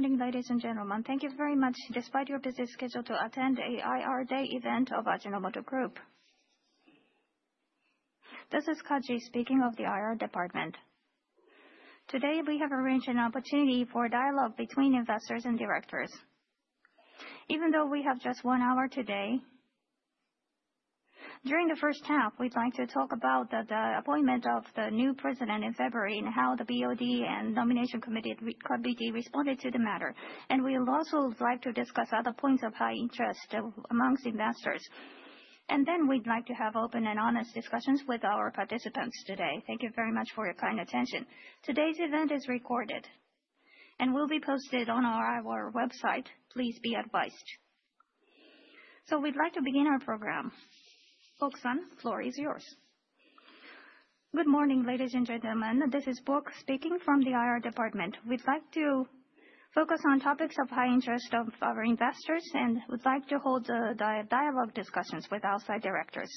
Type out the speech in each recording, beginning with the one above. Good morning, ladies and gentlemen. Thank you very much, despite your busy schedule, to attend the IR Day event of Ajinomoto Group. This is Kaji speaking of the IR Department. Today, we have arranged an opportunity for dialogue between investors and directors. Even though we have just one hour today, during the first half, we'd like to talk about the appointment of the new president in February and how the BOD and Nomination Committee responded to the matter. We'd also like to discuss other points of high interest amongst investors. We'd like to have open and honest discussions with our participants today. Thank you very much for your kind attention. Today's event is recorded and will be posted on our website. Please be advised. We'd like to begin our program. Bok-san, the floor is yours. Good morning, ladies and gentlemen. This is Bok speaking from the IR Department. We'd like to focus on topics of high interest to our investors and would like to hold dialogue discussions with outside directors.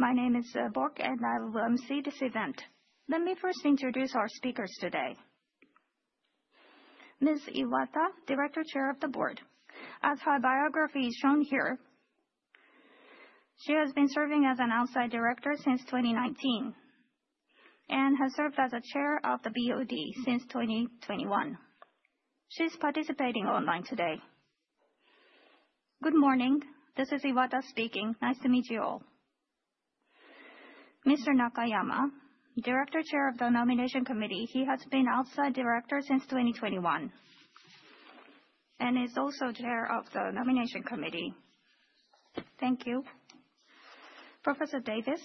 My name is Bok, and I will emcee this event. Let me first introduce our speakers today. Ms. Iwata, Director, Chair of the Board. As her biography is shown here, she has been serving as an outside director since 2019 and has served as Chair of the BOD since 2021. She's participating online today. Good morning. This is Iwata speaking. Nice to meet you all. Mr. Nakayama, Director, Chair of the Nomination Committee. He has been an outside director since 2021 and is also Chair of the Nomination Committee. Thank you. Professor Davis,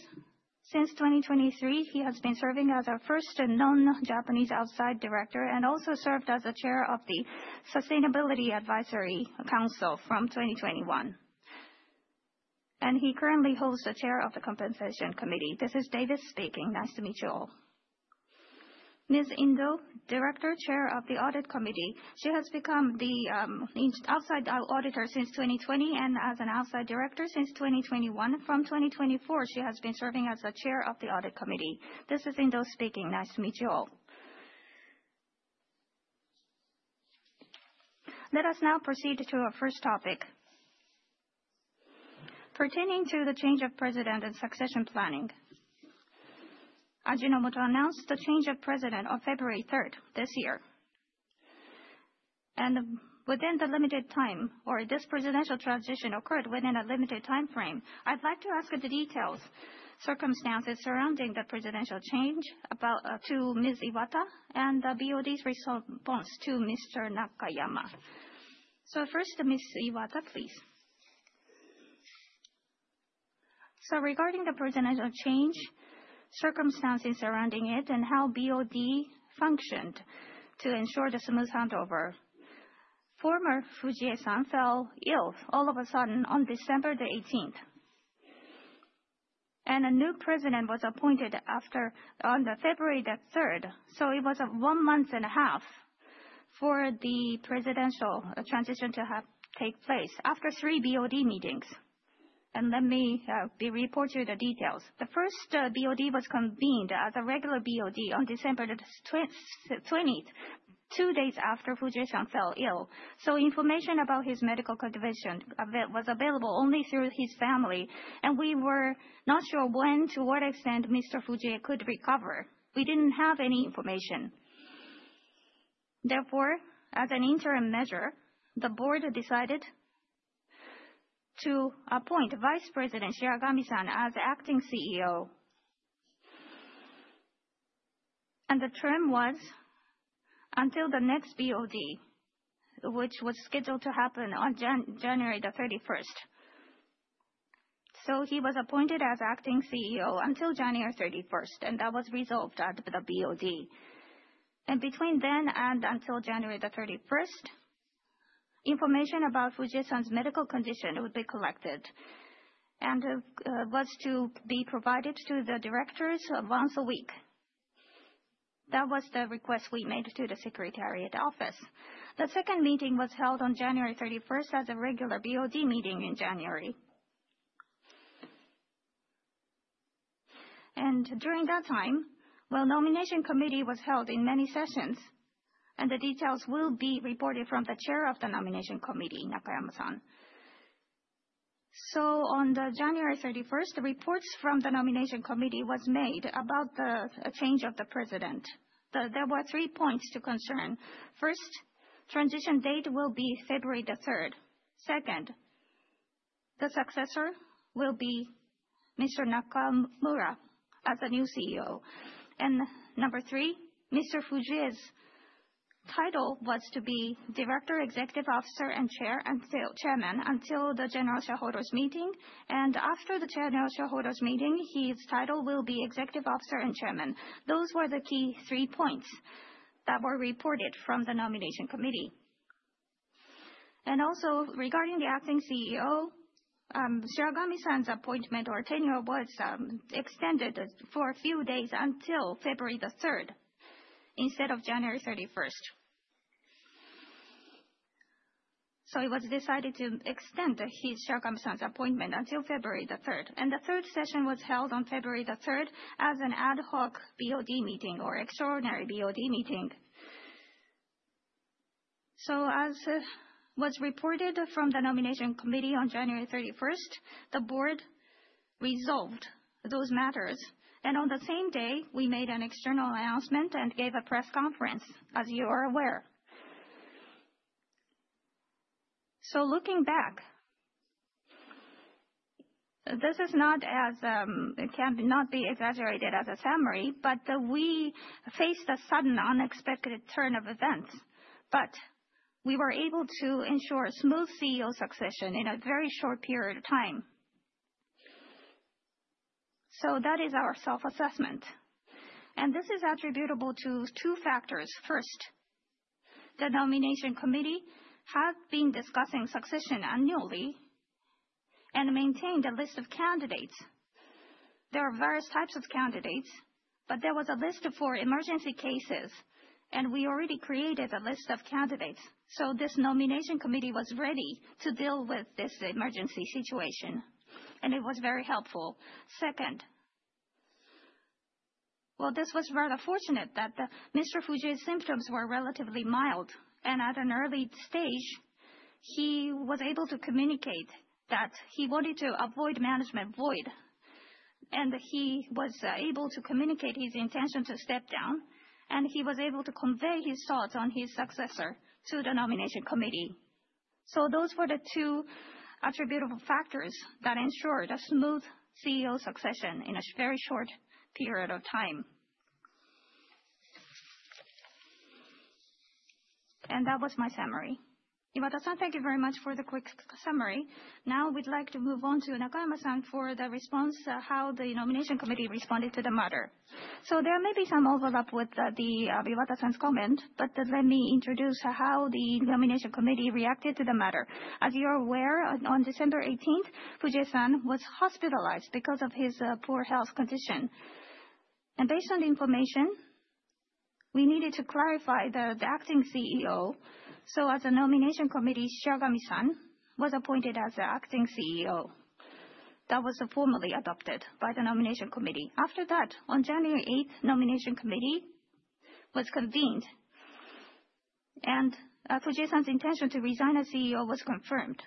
since 2023, he has been serving as a first non-Japanese outside director and also served as Chair of the Sustainability Advisory Council from 2021. He currently holds the Chair of the Compensation Committee. This is Davis speaking. Nice to meet you all. Ms. Indo, Director, Chair of the Audit Committee. She has become the outside auditor since 2020 and as an outside director since 2021. From 2024, she has been serving as the Chair of the Audit Committee. This is Indo speaking. Nice to meet you all. Let us now proceed to our first topic. Pertaining to the change of president and succession planning, Ajinomoto announced the change of president on February 3rd this year. Within the limited time, or this presidential transition occurred within a limited time frame, I'd like to ask the detailed circumstances surrounding the presidential change to Ms. Iwata and the BOD's response to Mr. Nakayama. First, Ms. Iwata, please. Regarding the presidential change, circumstances surrounding it, and how BOD functioned to ensure the smooth handover, former Fujie-san fell ill all of a sudden on December the 18th. A new president was appointed on February the 3rd. It was one month and a half for the presidential transition to take place after three BOD meetings. Let me report you the details. The first BOD was convened as a regular BOD on December the 20th, two days after Fujie-san fell ill. Information about his medical condition was available only through his family. We were not sure when, to what extent Mr. Fujie could recover. We did not have any information. Therefore, as an interim measure, the board decided to appoint Vice President Shiragami-san as acting CEO. The term was until the next BOD, which was scheduled to happen on January 31st. He was appointed as acting CEO until January 31st, and that was resolved at the BOD. Between then and until January 31st, information about Fujie-san's medical condition would be collected and was to be provided to the directors once a week. That was the request we made to the Secretariat Office. The second meeting was held on January 31st as a regular BOD meeting in January. During that time, the Nomination Committee was held in many sessions, and the details will be reported from the chair of the Nomination Committee, Nakayama-san. On January 31st, reports from the Nomination Committee were made about the change of the president. There were three points to concern. First, the transition date will be February 3rd. Second, the successor will be Mr. Nakamura as the new CEO. Number three, Mr. Fujie's title was to be Director, Executive Officer, and Chairman until the General Shihodo's meeting. After the General Shihodo's meeting, his title will be Executive Officer and Chairman. Those were the key three points that were reported from the Nomination Committee. Also, regarding the acting CEO, Shiragami-san's appointment or tenure was extended for a few days until February 3 instead of January 31. It was decided to extend Shiragami-san's appointment until February 3. The third session was held on February 3 as an ad hoc BOD meeting or extraordinary BOD meeting. As was reported from the Nomination Committee on January 31, the board resolved those matters. On the same day, we made an external announcement and gave a press conference, as you are aware. Looking back, this is not as it cannot be exaggerated as a summary, but we faced a sudden, unexpected turn of events. We were able to ensure a smooth CEO succession in a very short period of time. That is our self-assessment. This is attributable to two factors. First, the Nomination Committee had been discussing succession annually and maintained a list of candidates. There are various types of candidates, but there was a list for emergency cases, and we already created a list of candidates. This Nomination Committee was ready to deal with this emergency situation, and it was very helpful. Second, this was rather fortunate that Mr. Fujie's symptoms were relatively mild. At an early stage, he was able to communicate that he wanted to avoid the management void. He was able to communicate his intention to step down, and he was able to convey his thoughts on his successor to the Nomination Committee. Those were the two attributable factors that ensured a smooth CEO succession in a very short period of time. That was my summary. Iwata-san, thank you very much for the quick summary. Now we'd like to move on to Nakayama-san for the response, how the Nomination Committee responded to the matter. There may be some overlap with Iwata-san's comment, but let me introduce how the Nomination Committee reacted to the matter. As you are aware, on December 18th, Fujie-san was hospitalized because of his poor health condition. Based on the information, we needed to clarify the acting CEO. As the Nomination Committee, Shiragami-san was appointed as the acting CEO. That was formally adopted by the Nomination Committee. After that, on January 8th, the Nomination Committee was convened, and Fujie-san's intention to resign as CEO was confirmed.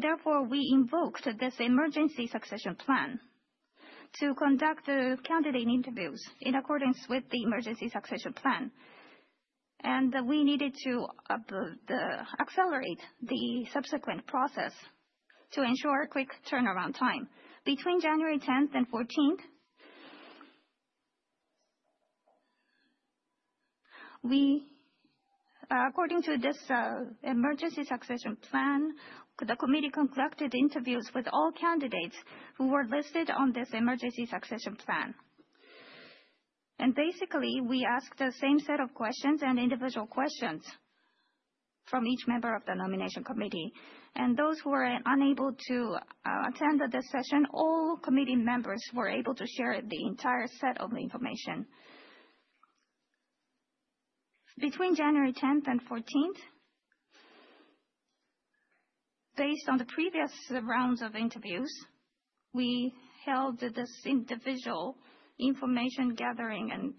Therefore, we invoked this emergency succession plan to conduct candidate interviews in accordance with the emergency succession plan. We needed to accelerate the subsequent process to ensure a quick turnaround time. Between January 10th and 14th, according to this emergency succession plan, the committee conducted interviews with all candidates who were listed on this emergency succession plan. Basically, we asked the same set of questions and individual questions from each member of the Nomination Committee. Those who were unable to attend this session, all committee members were able to share the entire set of information. Between January 10th and 14th, based on the previous rounds of interviews, we held this individual information gathering and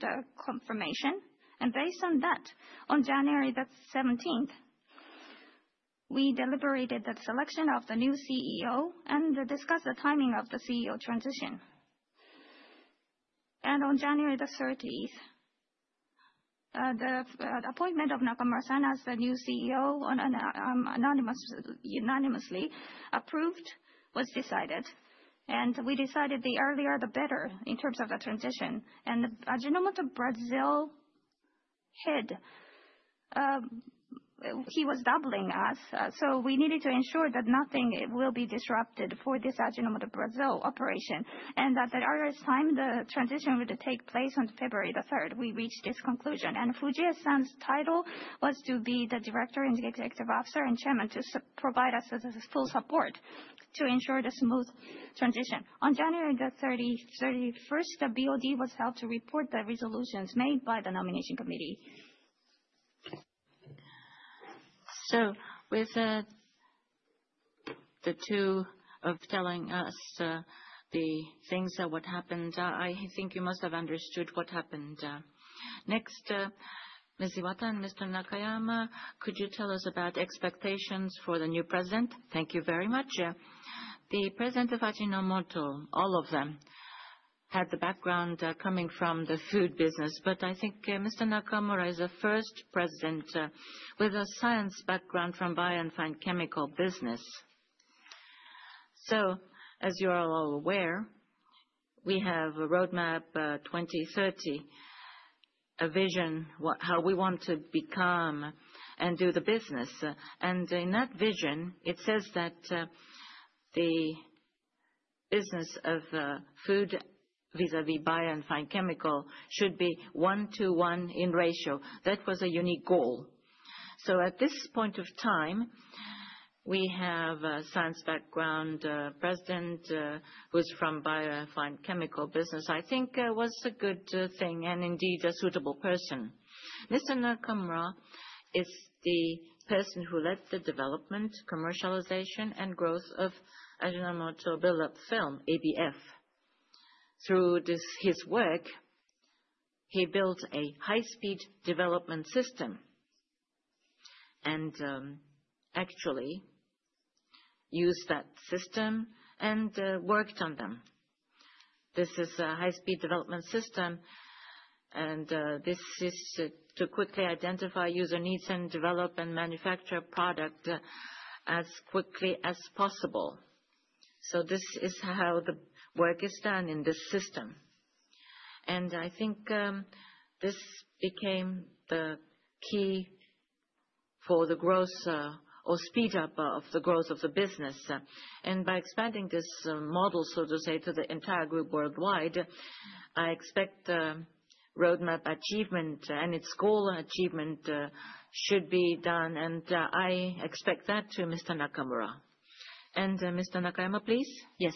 confirmation. Based on that, on January the 17th, we deliberated the selection of the new CEO and discussed the timing of the CEO transition. On January the 30th, the appointment of Nakamura-san as the new CEO unanimously approved was decided. We decided the earlier, the better in terms of the transition. Ajinomoto Brazil head, he was doubling us. We needed to ensure that nothing will be disrupted for this Ajinomoto Brazil operation and that at the earliest time, the transition would take place on February the 3rd. We reached this conclusion. Fujie-san's title was to be the Director and Executive Officer and Chairman to provide us full support to ensure the smooth transition. On January the 31st, the BOD was held to report the resolutions made by the Nomination Committee. With the two of telling us the things that what happened, I think you must have understood what happened. Next, Ms. Iwata and Mr. Nakayama, could you tell us about expectations for the new president? Thank you very much. The president of Ajinomoto, all of them, had the background coming from the food business. I think Mr. Nakamura is a first president with a science background from bio and fine chemical business. As you are all aware, we have a Roadmap 2030, a vision how we want to become and do the business. In that vision, it says that the business of food vis-à-vis bio and fine chemical should be one-to-one in ratio. That was a unique goal. At this point of time, we have a science background president who's from bio and fine chemical business, I think was a good thing and indeed a suitable person. Mr. Nakamura is the person who led the development, commercialization, and growth of Ajinomoto build-up film, ABF. Through his work, he built a high-speed development system and actually used that system and worked on them. This is a high-speed development system, and this is to quickly identify user needs and develop and manufacture product as quickly as possible. This is how the work is done in this system. I think this became the key for the growth or speed up of the growth of the business. By expanding this model, so to say, to the entire group worldwide, I expect roadmap achievement and its goal achievement should be done. I expect that to Mr. Nakamura. Mr. Nakayama, please. Yes.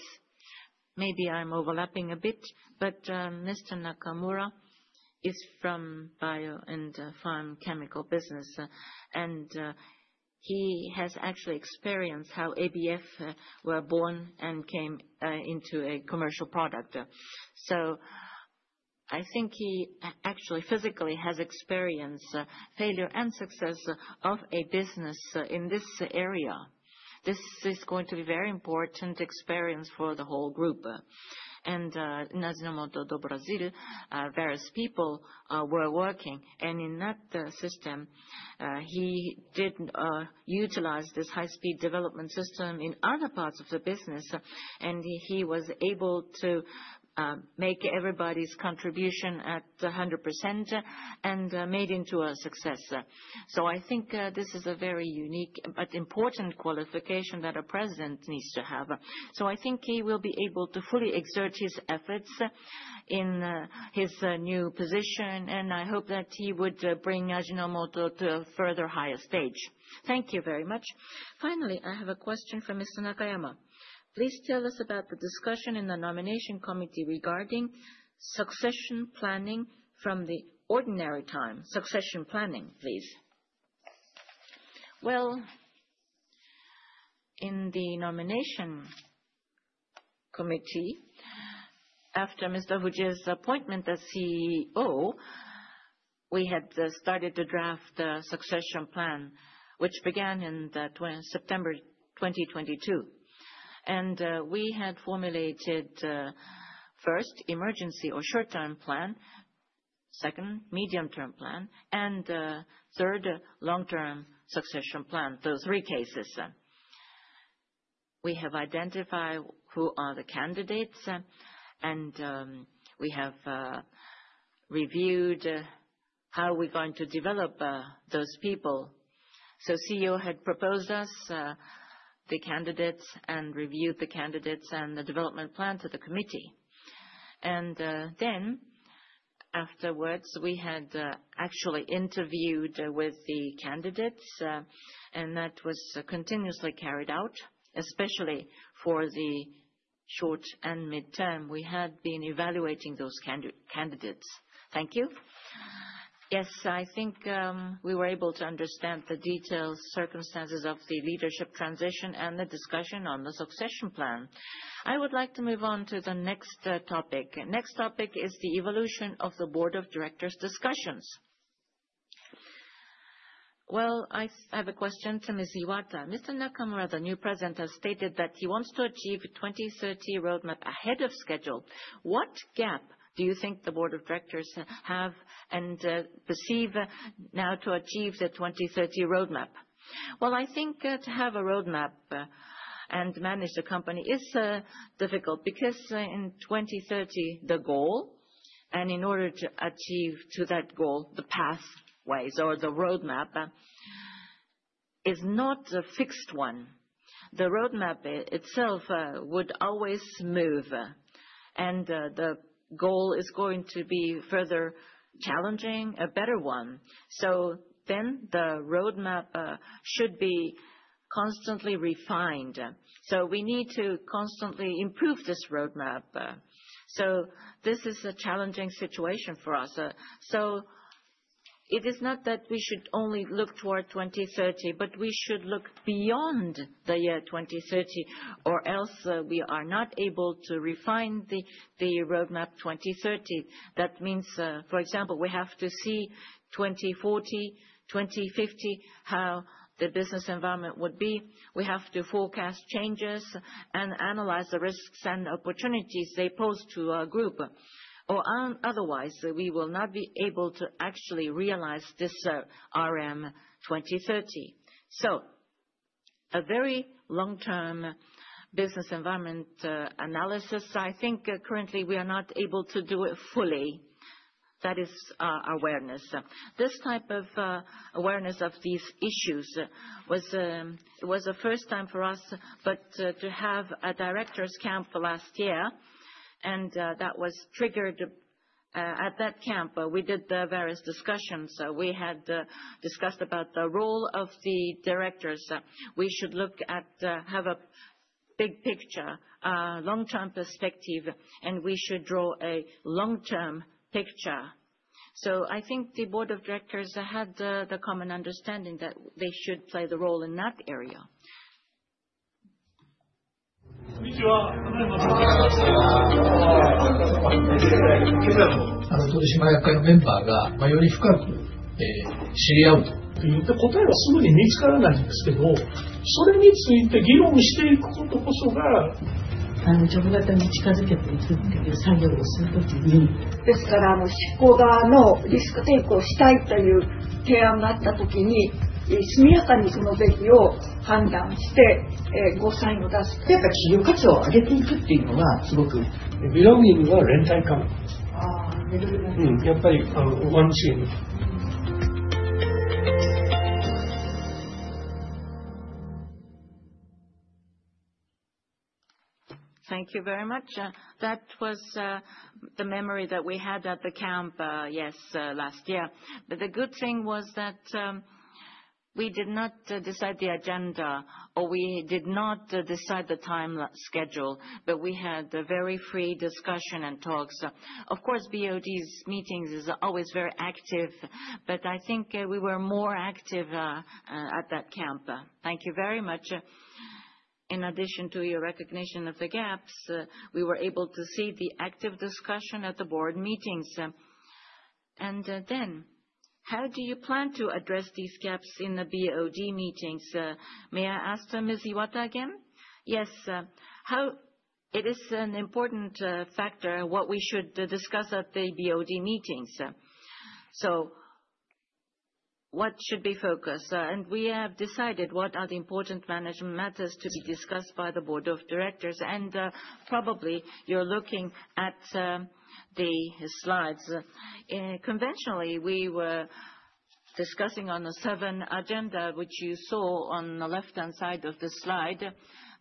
Maybe I'm overlapping a bit, but Mr. Nakamura is from bio and farm chemical business. He has actually experienced how ABF were born and came into a commercial product. I think he actually physically has experienced failure and success of a business in this area. This is going to be a very important experience for the whole group. In Ajinomoto Brazil, various people were working. In that system, he did utilize this high-speed development system in other parts of the business. He was able to make everybody's contribution at 100% and made into a success. I think this is a very unique but important qualification that a president needs to have. I think he will be able to fully exert his efforts in his new position. I hope that he would bring Ajinomoto to a further higher stage. Thank you very much. Finally, I have a question for Mr. Nakayama. Please tell us about the discussion in the Nomination Committee regarding succession planning from the ordinary time. Succession planning, please. In the Nomination Committee, after Mr. Fujie's appointment as CEO, we had started to draft the succession plan, which began in September 2022. We had formulated first, emergency or short-term plan, second, medium-term plan, and third, long-term succession plan, those three cases. We have identified who are the candidates, and we have reviewed how we're going to develop those people. CEO had proposed us the candidates and reviewed the candidates and the development plan to the committee. Afterwards, we had actually interviewed with the candidates, and that was continuously carried out, especially for the short and midterm. We had been evaluating those candidates. Thank you. Yes, I think we were able to understand the detailed circumstances of the leadership transition and the discussion on the succession plan. I would like to move on to the next topic. Next topic is the evolution of the board of directors discussions. I have a question to Ms. Iwata. Mr. Nakamura, the new president, has stated that he wants to achieve a 2030 roadmap ahead of schedule. What gap do you think the board of directors have and perceive now to achieve the 2030 roadmap? I think to have a roadmap and manage the company is difficult because in 2030, the goal and in order to achieve that goal, the pathways or the roadmap is not a fixed one. The roadmap itself would always move, and the goal is going to be further challenging, a better one. The roadmap should be constantly refined. We need to constantly improve this roadmap. This is a challenging situation for us. It is not that we should only look toward 2030, but we should look beyond the year 2030, or else we are not able to refine the Roadmap 2030. That means, for example, we have to see 2040, 2050, how the business environment would be. We have to forecast changes and analyze the risks and opportunities they pose to our group. Otherwise, we will not be able to actually realize this Roadmap 2030. A very long-term business environment analysis. I think currently we are not able to do it fully. That is our awareness. This type of awareness of these issues was a first time for us, but to have a directors camp last year, and that was triggered at that camp, we did various discussions. We had discussed about the role of the directors. We should look at have a big picture, long-term perspective, and we should draw a long-term picture. I think the board of directors had the common understanding that they should play the role in that area. 私も。当事者の役割のメンバーがより深く知り合うという。答えはすぐに見つからないんですけど、それについて議論していくことこそが。あのジョブラタに近づけていくっていう作業をするときに。ですから、もう執行側のリスクテイクをしたいという提案があったときに、速やかにそのべきを判断して合算を出す。やっぱり企業価値を上げていくっていうのはすごく。ビロミングは連帯感。ああ、メドリモン。うん、やっぱりあのワンチーム。Thank you very much. That was the memory that we had at the camp, yes, last year. The good thing was that we did not decide the agenda or we did not decide the time schedule, but we had a very free discussion and talks. Of course, BOD meetings are always very active, but I think we were more active at that camp. Thank you very much. In addition to your recognition of the gaps, we were able to see the active discussion at the board meetings. How do you plan to address these gaps in the BOD meetings? May I ask Ms. Iwata again? Yes. How it is an important factor what we should discuss at the BOD meetings. What should be focused? We have decided what are the important management matters to be discussed by the board of directors. You are probably looking at the slides. Conventionally, we were discussing the seven agenda, which you saw on the left-hand side of the slide,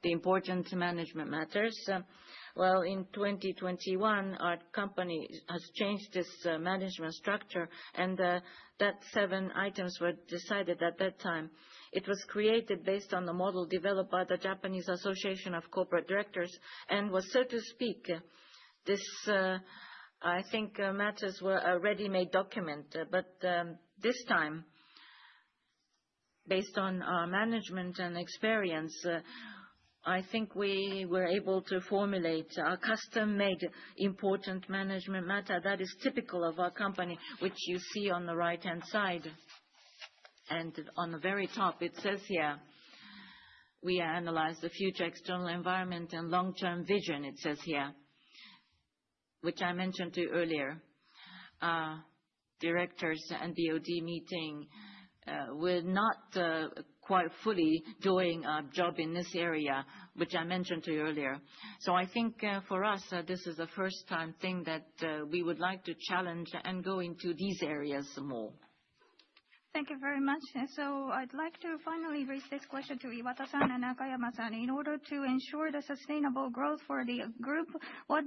the important management matters. In 2021, our company changed this management structure, and those seven items were decided at that time. It was created based on the model developed by the Japanese Association of Corporate Directors and was, so to speak, I think, a ready-made document. This time, based on our management and experience, I think we were able to formulate our custom-made important management matter that is typical of our company, which you see on the right-hand side. On the very top, it says here, we analyze the future external environment and long-term vision, it says here, which I mentioned to you earlier. Directors and BOD meeting were not quite fully doing our job in this area, which I mentioned to you earlier. I think for us, this is a first-time thing that we would like to challenge and go into these areas more. Thank you very much. I'd like to finally raise this question to Iwata-san and Nakayama-san. In order to ensure the sustainable growth for the group, what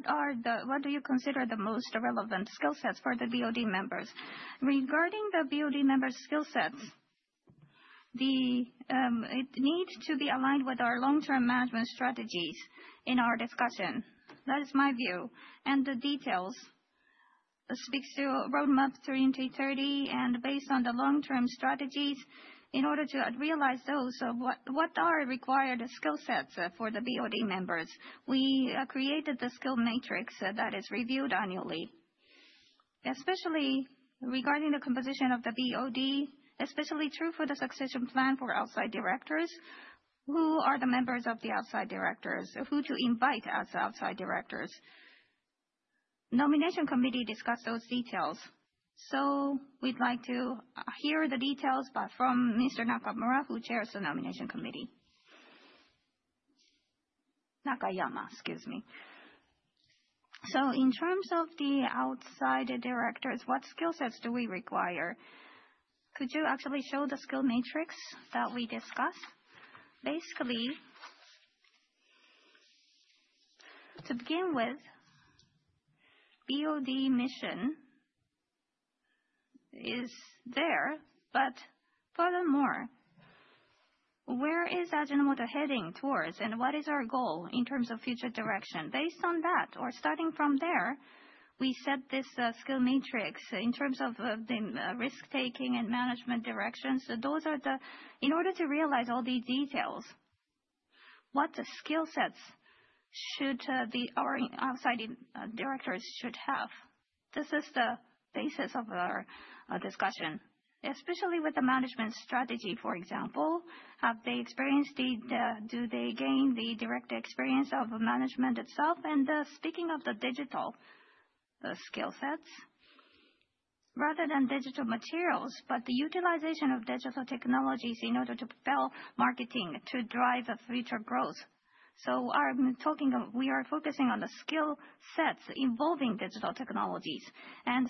do you consider the most relevant skill sets for the BOD members? Regarding the BOD members' skill sets, it needs to be aligned with our long-term management strategies in our discussion. That is my view. The details speak to Roadmap 2030 and based on the long-term strategies, in order to realize those, what are required skill sets for the BOD members? We created the skill matrix that is reviewed annually, especially regarding the composition of the BOD, especially true for the succession plan for outside directors. Who are the members of the outside directors? Who to invite as outside directors? Nomination Committee discussed those details. We'd like to hear the details from Mr. Nakamura, who chairs the Nomination Committee. Nakayama, excuse me. In terms of the outside directors, what skill sets do we require? Could you actually show the skill matrix that we discussed? Basically, to begin with, BOD mission is there, but furthermore, where is Ajinomoto heading towards? What is our goal in terms of future direction? Based on that, or starting from there, we set this skill matrix in terms of the risk-taking and management directions. Those are the, in order to realize all the details, what skill sets should the outside directors have? This is the basis of our discussion, especially with the management strategy, for example. Have they experienced the, do they gain the direct experience of management itself? Speaking of the digital skill sets, rather than digital materials, but the utilization of digital technologies in order to propel marketing to drive future growth. We are focusing on the skill sets involving digital technologies.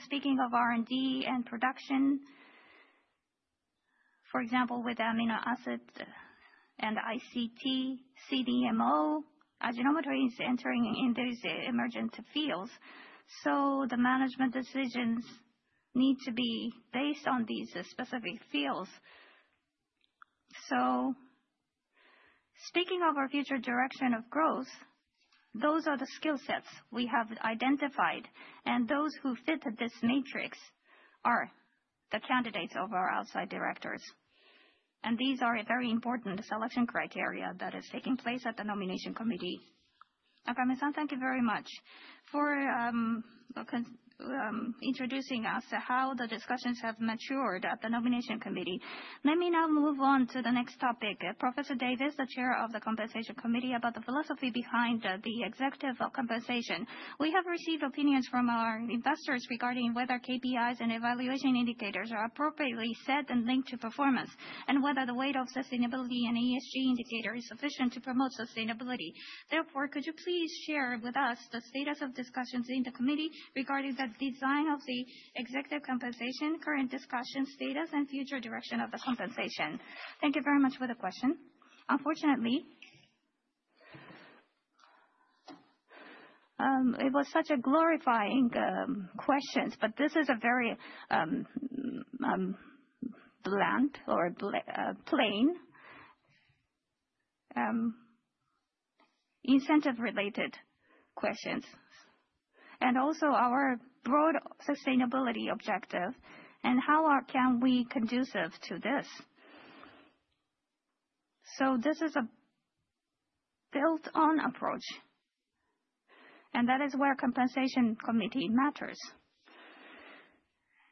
Speaking of R&D and production, for example, with amino acid and ICT, CDMO, Ajinomoto is entering in these emergent fields. The management decisions need to be based on these specific fields. Speaking of our future direction of growth, those are the skill sets we have identified. Those who fit this matrix are the candidates of our outside directors. These are very important selection criteria that are taking place at the Nomination Committee. Nakayama-san, thank you very much for introducing us to how the discussions have matured at the Nomination Committee. Let me now move on to the next topic. Professor Davis, the Chair of the Compensation Committee, about the philosophy behind the executive compensation. We have received opinions from our investors regarding whether KPIs and evaluation indicators are appropriately set and linked to performance, and whether the weight of sustainability and ESG indicators is sufficient to promote sustainability. Therefore, could you please share with us the status of discussions in the committee regarding the design of the executive compensation, current discussion status, and future direction of the compensation? Thank you very much for the question. Unfortunately, it was such a glorifying question, but this is a very bland or plain incentive-related question. Also, our broad sustainability objective and how can we be conducive to this? This is a built-on approach, and that is where the Compensation Committee matters.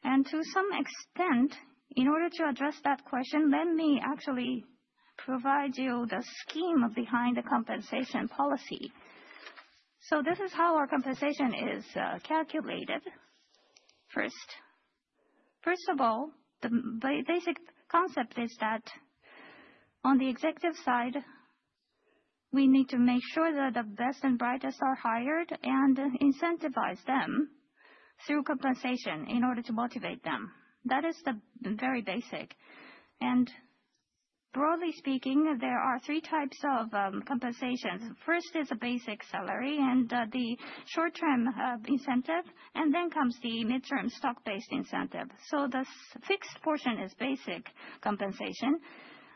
To some extent, in order to address that question, let me actually provide you the scheme behind the compensation policy. This is how our compensation is calculated. First of all, the basic concept is that on the executive side, we need to make sure that the best and brightest are hired and incentivize them through compensation in order to motivate them. That is the very basic. Broadly speaking, there are three types of compensations. First is a basic salary and the short-term incentive, and then comes the midterm stock-based incentive. The fixed portion is basic compensation.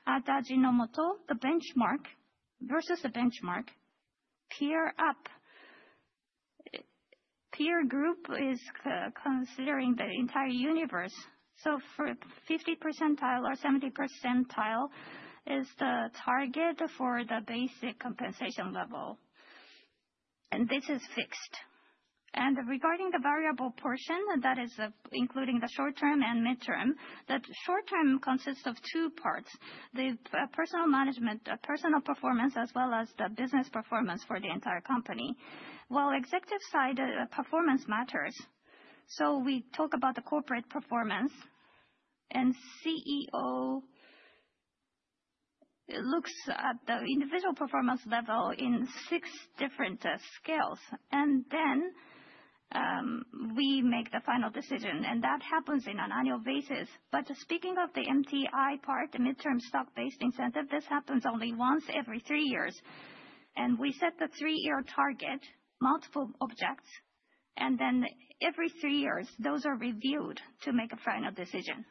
At Ajinomoto, the benchmark versus the benchmark peer group is considering the entire universe. 50% or 70% is the target for the basic compensation level. This is fixed. Regarding the variable portion, that is including the short-term and midterm, that short-term consists of two parts: the personal management, personal performance, as well as the business performance for the entire company. While executive side performance matters, we talk about the corporate performance, and CEO looks at the individual performance level in six different scales. We make the final decision, and that happens on an annual basis. Speaking of the MTI part, the midterm stock-based incentive, this happens only once every three years. We set the three-year target, multiple objects, and every three years, those are reviewed to make a final decision.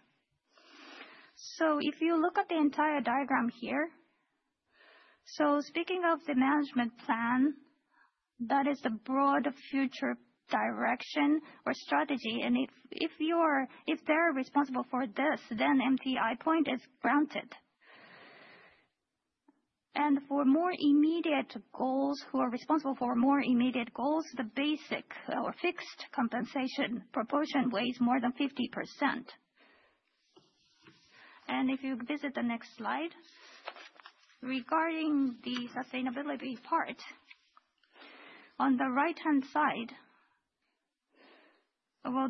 If you look at the entire diagram here, speaking of the management plan, that is the broad future direction or strategy. If they're responsible for this, then MTI point is granted. For more immediate goals, who are responsible for more immediate goals, the basic or fixed compensation proportion weighs more than 50%. If you visit the next slide, regarding the sustainability part, on the right-hand side,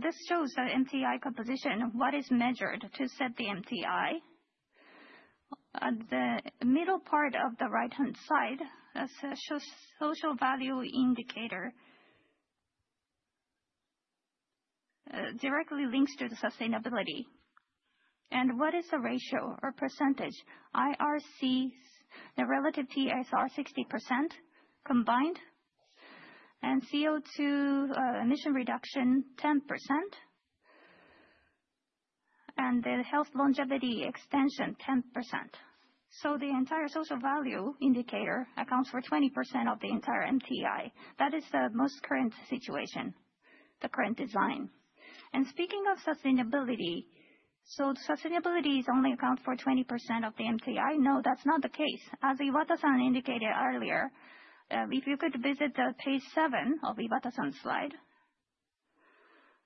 this shows the MTI composition, what is measured to set the MTI. The middle part of the right-hand side shows social value indicator, directly links to the sustainability. What is the ratio or percentage? IRC, the relative TSR 60% combined, and CO2 emission reduction 10%, and the health longevity extension 10%. The entire social value indicator accounts for 20% of the entire MTI. That is the most current situation, the current design. Speaking of sustainability, sustainability is only account for 20% of the MTI. No, that's not the case. As Iwata-san indicated earlier, if you could visit the page seven of Iwata-san's slide,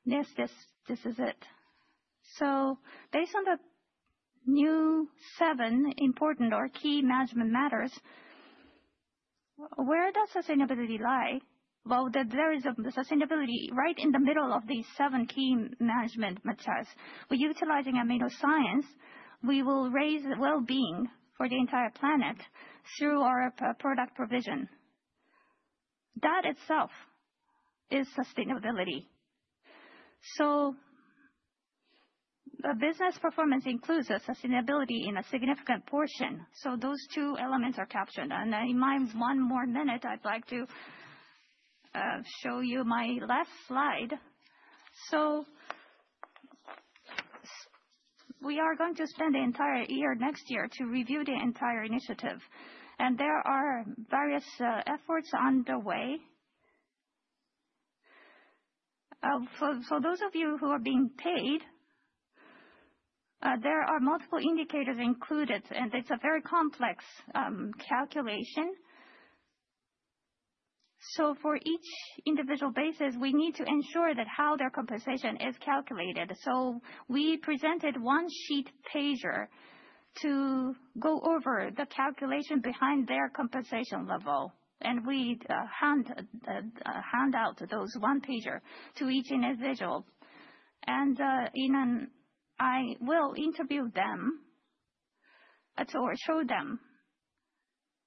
yes, this is it. Based on the new seven important or key management matters, where does sustainability lie? There is sustainability right in the middle of these seven key management matters. By utilizing amino science, we will raise well-being for the entire planet through our product provision. That itself is sustainability. The business performance includes sustainability in a significant portion. Those two elements are captured. In my one more minute, I'd like to show you my last slide. We are going to spend the entire year next year to review the entire initiative. There are various efforts underway. For those of you who are being paid, there are multiple indicators included, and it's a very complex calculation. For each individual basis, we need to ensure that how their compensation is calculated. We presented one sheet pager to go over the calculation behind their compensation level. We hand out those one pager to each individual. I will interview them or show them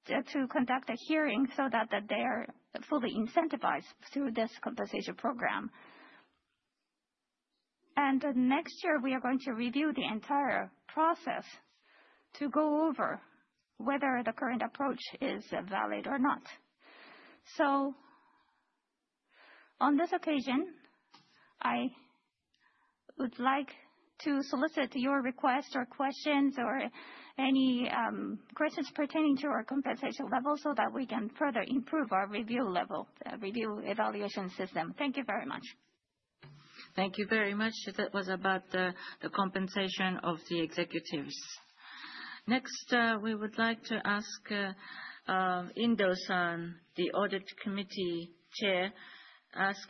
to conduct a hearing so that they are fully incentivized through this compensation program. Next year, we are going to review the entire process to go over whether the current approach is valid or not. On this occasion, I would like to solicit your requests or questions or any questions pertaining to our compensation level so that we can further improve our review level, review evaluation system. Thank you very much. Thank you very much. That was about the compensation of the executives. Next, we would like to ask Indo-san, the Audit Committee chair,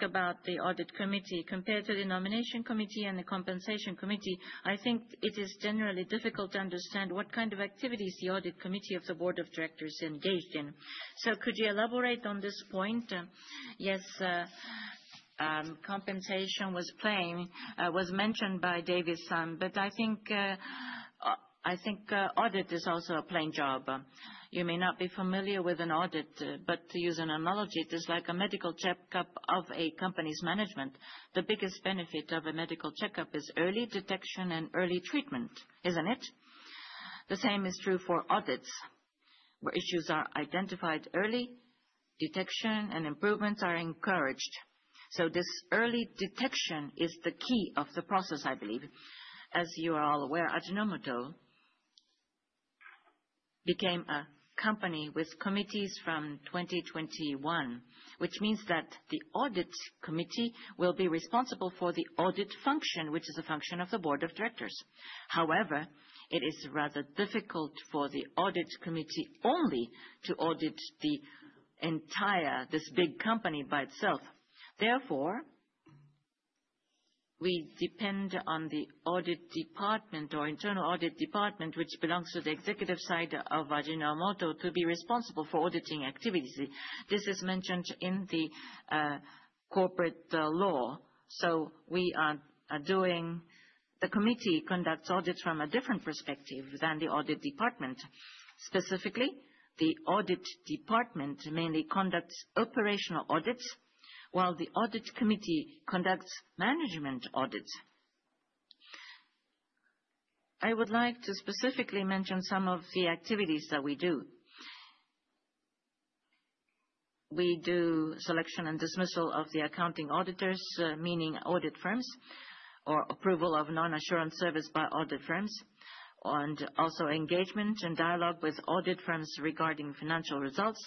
about the Audit Committee. Compared to the Nomination Committee and the Compensation Committee, I think it is generally difficult to understand what kind of activities the Audit Committee of the Board of Directors is engaged in. Could you elaborate on this point? Yes, compensation was mentioned by Davis-san, but I think audit is also a plain job. You may not be familiar with an audit, but to use an analogy, it is like a medical checkup of a company's management. The biggest benefit of a medical checkup is early detection and early treatment, isn't it? The same is true for audits. Where issues are identified early, detection and improvements are encouraged. This early detection is the key of the process, I believe. As you are all aware, Ajinomoto became a company with committees from 2021, which means that the Audit Committee will be responsible for the audit function, which is a function of the Board of Directors. However, it is rather difficult for the Audit Committee only to audit the entire, this big company by itself. Therefore, we depend on the Audit Department or Internal Audit Department, which belongs to the executive side of Ajinomoto, to be responsible for auditing activities. This is mentioned in the corporate law. We are doing, the committee conducts audits from a different perspective than the Audit Department. Specifically, the Audit Department mainly conducts operational audits, while the Audit Committee conducts management audits. I would like to specifically mention some of the activities that we do. We do selection and dismissal of the accounting auditors, meaning audit firms, or approval of non-assurance service by audit firms, and also engagement and dialogue with audit firms regarding financial results.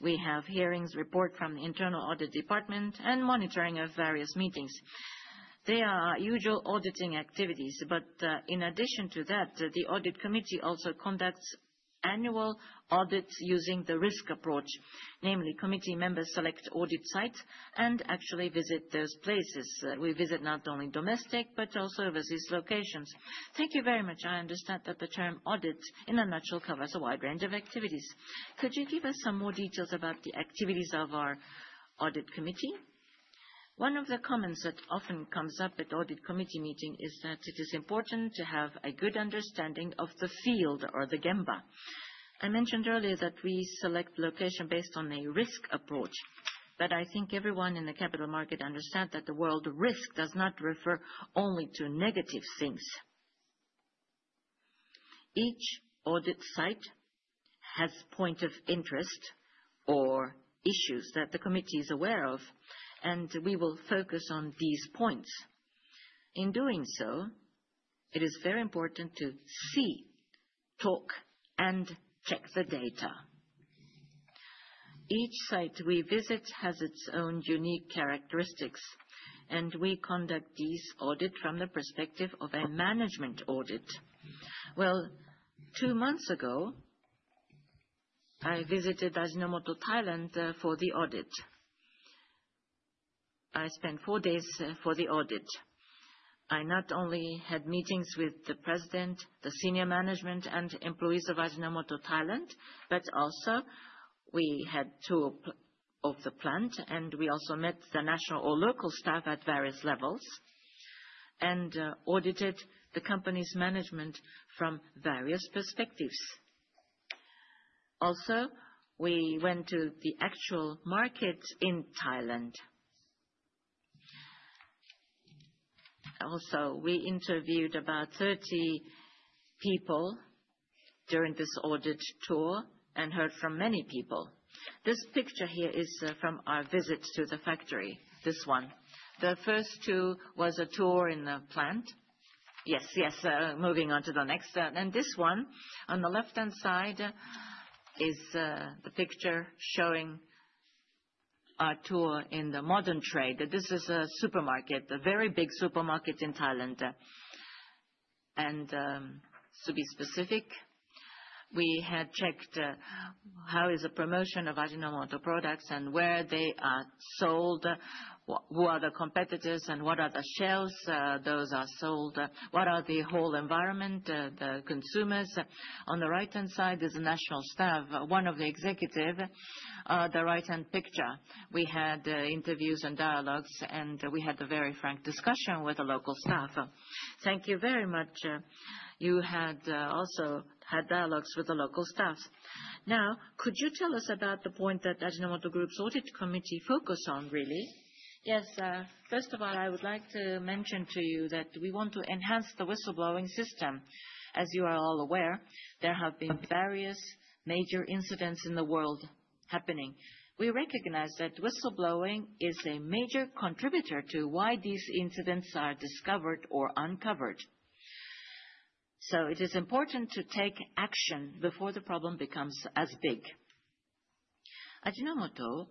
We have hearings, report from the Internal Audit Department, and monitoring of various meetings. They are usual auditing activities, but in addition to that, the Audit Committee also conducts annual audits using the risk approach. Namely, committee members select audit sites and actually visit those places. We visit not only domestic, but also overseas locations. Thank you very much. I understand that the term audit in a nutshell covers a wide range of activities. Could you give us some more details about the activities of our Audit Committee? One of the comments that often comes up at Audit Committee meeting is that it is important to have a good understanding of the field or the gemba. I mentioned earlier that we select location based on a risk approach, but I think everyone in the capital market understands that the world of risk does not refer only to negative things. Each audit site has points of interest or issues that the committee is aware of, and we will focus on these points. In doing so, it is very important to see, talk, and check the data. Each site we visit has its own unique characteristics, and we conduct these audits from the perspective of a management audit. Two months ago, I visited Ajinomoto Thailand for the audit. I spent four days for the audit. I not only had meetings with the President, the senior management, and employees of Ajinomoto Thailand, but also we had a tour of the plant, and we also met the national or local staff at various levels and audited the company's management from various perspectives. Also, we went to the actual market in Thailand. Also, we interviewed about 30 people during this audit tour and heard from many people. This picture here is from our visit to the factory, this one. The first tour was a tour in the plant. Yes, yes, moving on to the next. This one on the left-hand side is the picture showing our tour in the modern trade. This is a supermarket, a very big supermarket in Thailand. To be specific, we had checked how is the promotion of Ajinomoto products and where they are sold, who are the competitors, and what are the shelves those are sold, what are the whole environment, the consumers. On the right-hand side is the national staff, one of the executives, the right-hand picture. We had interviews and dialogues, and we had a very frank discussion with the local staff. Thank you very much. You had also had dialogues with the local staff. Now, could you tell us about the point that Ajinomoto Group's Audit Committee focused on, really? Yes. First of all, I would like to mention to you that we want to enhance the whistleblowing system. As you are all aware, there have been various major incidents in the world happening. We recognize that whistleblowing is a major contributor to why these incidents are discovered or uncovered. It is important to take action before the problem becomes as big. Ajinomoto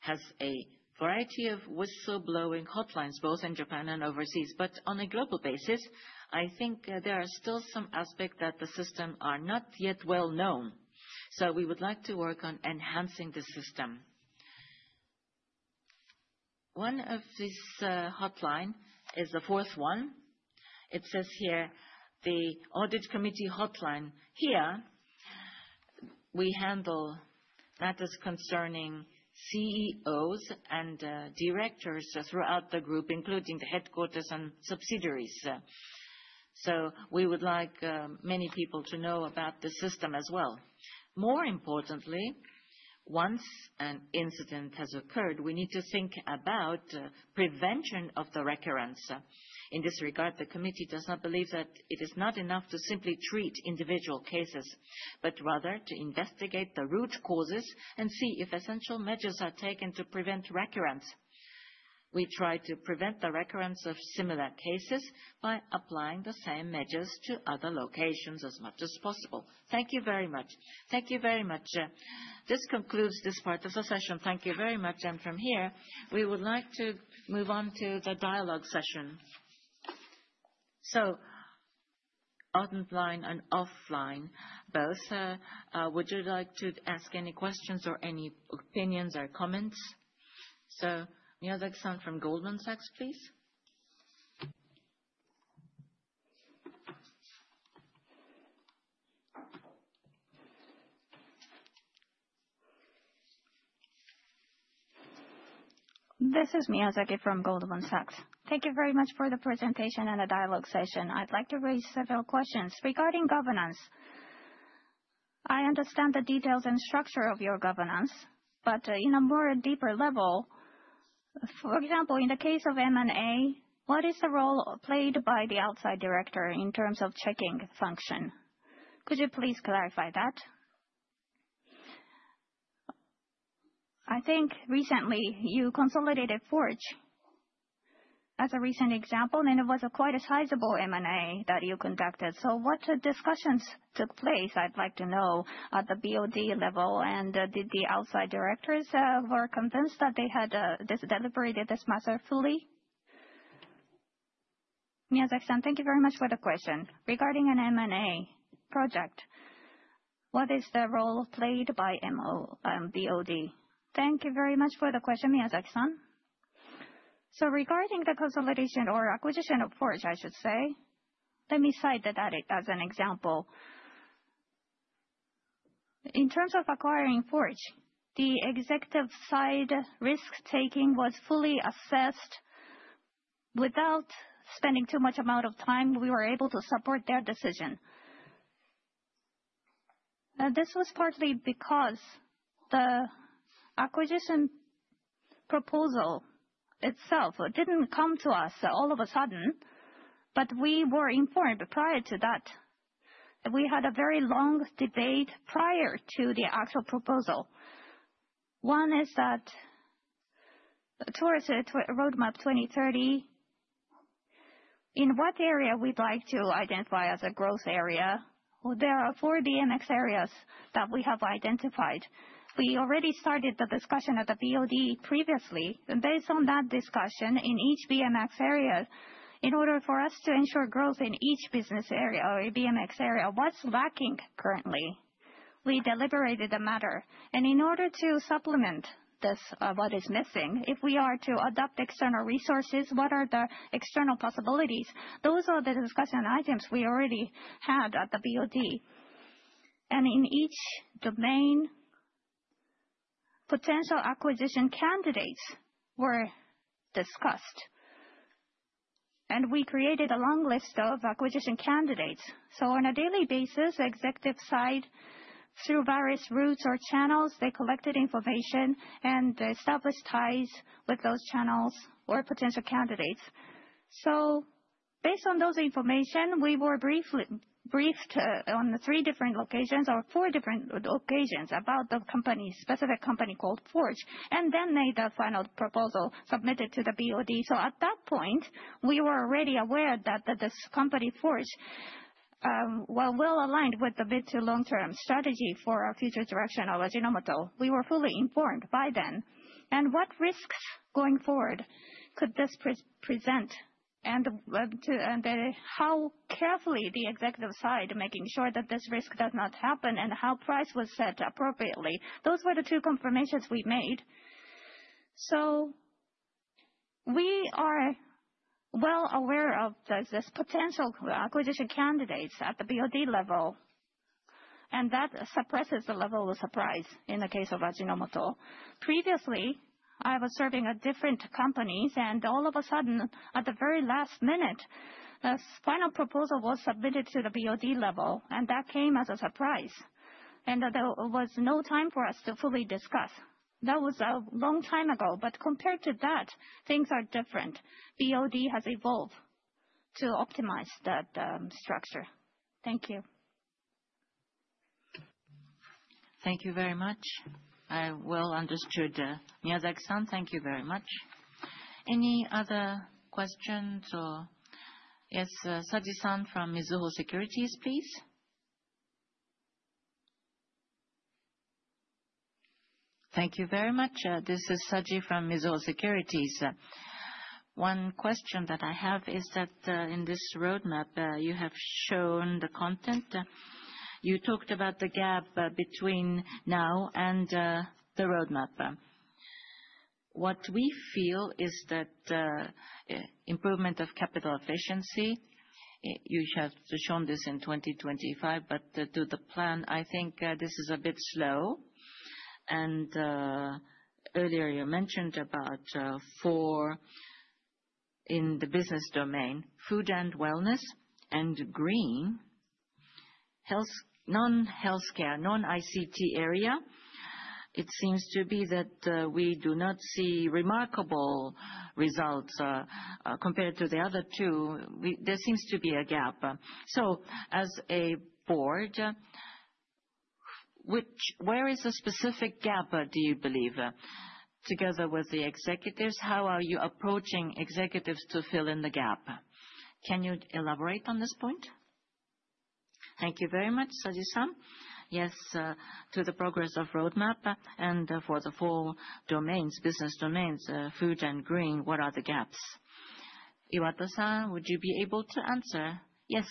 has a variety of whistleblowing hotlines, both in Japan and overseas, but on a global basis, I think there are still some aspects that the system are not yet well known. We would like to work on enhancing the system. One of these hotlines is the fourth one. It says here, the Audit Committee hotline here, we handle matters concerning CEOs and directors throughout the group, including the headquarters and subsidiaries. We would like many people to know about the system as well. More importantly, once an incident has occurred, we need to think about prevention of the recurrence. In this regard, the committee does not believe that it is not enough to simply treat individual cases, but rather to investigate the root causes and see if essential measures are taken to prevent recurrence. We try to prevent the recurrence of similar cases by applying the same measures to other locations as much as possible. Thank you very much. This concludes this part of the session. Thank you very much. From here, we would like to move on to the dialogue session. Online and offline, both, would you like to ask any questions or any opinions or comments? Miyazaki-san from Goldman Sachs, please. This is Miyazaki from Goldman Sachs. Thank you very much for the presentation and the dialogue session. I'd like to raise several questions regarding governance. I understand the details and structure of your governance, but in a more deeper level, for example, in the case of M&A, what is the role played by the outside director in terms of checking function? Could you please clarify that? I think recently you consolidated FORGE as a recent example, and it was quite a sizable M&A that you conducted. What discussions took place? I'd like to know at the BOD level, and did the outside directors convince that they had deliberated this matter fully? Miyazaki-san, thank you very much for the question. Regarding an M&A project, what is the role played by BOD? Thank you very much for the question, Miyazaki-san. Regarding the consolidation or acquisition of FORGE, I should say, let me cite that as an example. In terms of acquiring FORGE, the executive side risk-taking was fully assessed. Without spending too much amount of time, we were able to support their decision. This was partly because the acquisition proposal itself did not come to us all of a sudden, but we were informed prior to that. We had a very long debate prior to the actual proposal. One is that towards Roadmap 2030, in what area we would like to identify as a growth area. There are four BMX areas that we have identified. We already started the discussion at the BOD previously. Based on that discussion in each BMX area, in order for us to ensure growth in each business area or BMX area, what is lacking currently? We deliberated the matter. In order to supplement this, what is missing, if we are to adopt external resources, what are the external possibilities? Those are the discussion items we already had at the BOD. In each domain, potential acquisition candidates were discussed. We created a long list of acquisition candidates. On a daily basis, executive side, through various routes or channels, they collected information and established ties with those channels or potential candidates. Based on that information, we were briefed on three different locations or four different occasions about the company, specific company called FORGE, and then made the final proposal submitted to the BOD. At that point, we were already aware that this company, FORGE, was well aligned with the mid to long-term strategy for our future direction of Ajinomoto. We were fully informed by then. What risks going forward could this present? How carefully the executive side is making sure that this risk does not happen and how price was set appropriately. Those were the two confirmations we made. We are well aware of these potential acquisition candidates at the BOD level, and that suppresses the level of surprise in the case of Ajinomoto. Previously, I was serving different companies, and all of a sudden, at the very last minute, the final proposal was submitted to the BOD level, and that came as a surprise. There was no time for us to fully discuss. That was a long time ago, but compared to that, things are different. BOD has evolved to optimize that structure. Thank you. Thank you very much. Well understood, Miyazaki-san. Thank you very much. Any other questions or? Yes, Saji-san from Mizuho Securities, please. Thank you very much. This is Saji from Mizuho Securities. One question that I have is that in this roadmap, you have shown the content. You talked about the gap between now and the roadmap. What we feel is that improvement of capital efficiency, you have shown this in 2025, but to the plan, I think this is a bit slow. Earlier, you mentioned about four in the business domain, food and wellness and green, non-healthcare, non-ICT area. It seems to be that we do not see remarkable results compared to the other two. There seems to be a gap. As a board, where is the specific gap, do you believe? Together with the executives, how are you approaching executives to fill in the gap? Can you elaborate on this point? Thank you very much, Saji-san. Yes, to the progress of roadmap and for the four domains, business domains, food and green, what are the gaps? Iwata-san, would you be able to answer? Yes.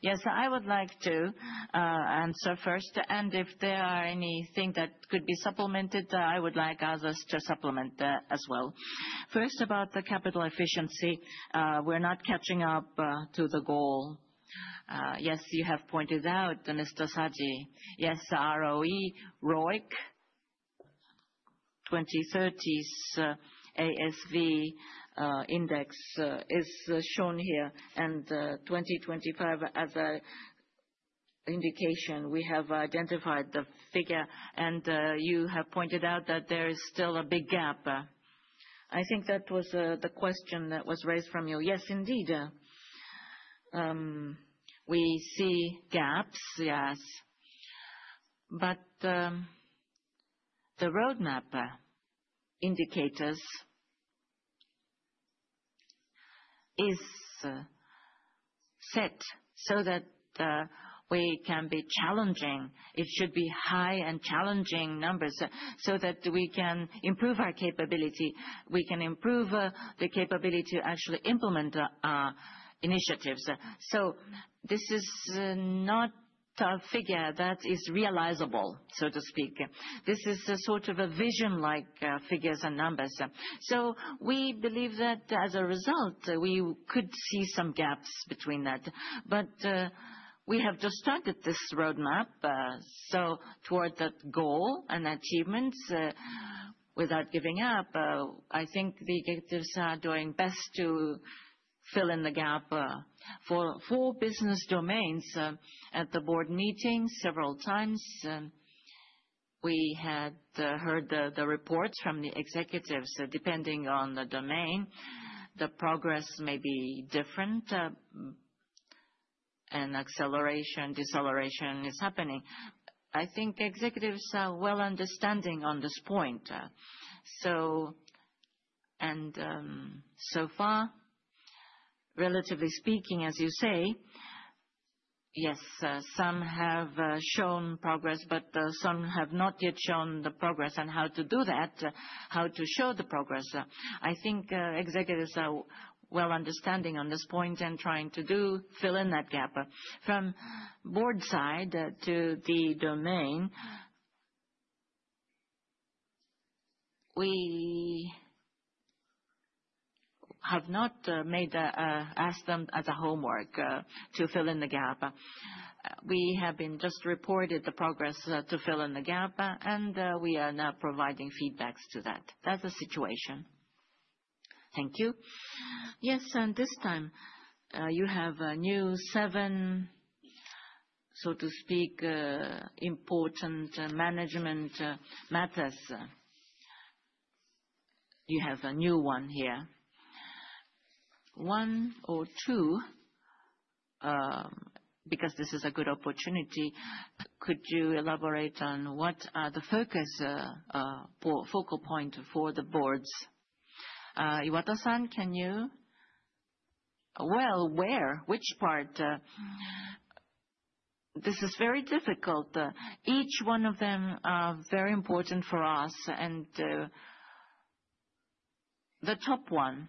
Yes, I would like to answer first, and if there are anything that could be supplemented, I would like others to supplement as well. First, about the capital efficiency, we're not catching up to the goal. Yes, you have pointed out, Mr. Saji. Yes, ROE, ROIC, 2030s ASV index is shown here, and 2025 as an indication. We have identified the figure, and you have pointed out that there is still a big gap. I think that was the question that was raised from you. Yes, indeed. We see gaps, yes. The roadmap indicators are set so that we can be challenging. It should be high and challenging numbers so that we can improve our capability. We can improve the capability to actually implement our initiatives. This is not a figure that is realizable, so to speak. This is sort of a vision-like figures and numbers. We believe that as a result, we could see some gaps between that. We have just started this roadmap toward that goal and achievements without giving up. I think the executives are doing best to fill in the gap for four business domains. At the board meeting several times, we had heard the reports from the executives. Depending on the domain, the progress may be different, and acceleration and deceleration is happening. I think executives are well understanding on this point. So far, relatively speaking, as you say, yes, some have shown progress, but some have not yet shown the progress and how to do that, how to show the progress. I think executives are well understanding on this point and trying to fill in that gap. From board side to the domain, we have not asked them as a homework to fill in the gap. We have been just reported the progress to fill in the gap, and we are now providing feedbacks to that. That's the situation. Thank you. Yes, and this time, you have a new seven, so to speak, important management matters. You have a new one here. One or two, because this is a good opportunity, could you elaborate on what are the focus points for the boards? Iwata-san, can you? Where? Which part? This is very difficult. Each one of them is very important for us. The top one,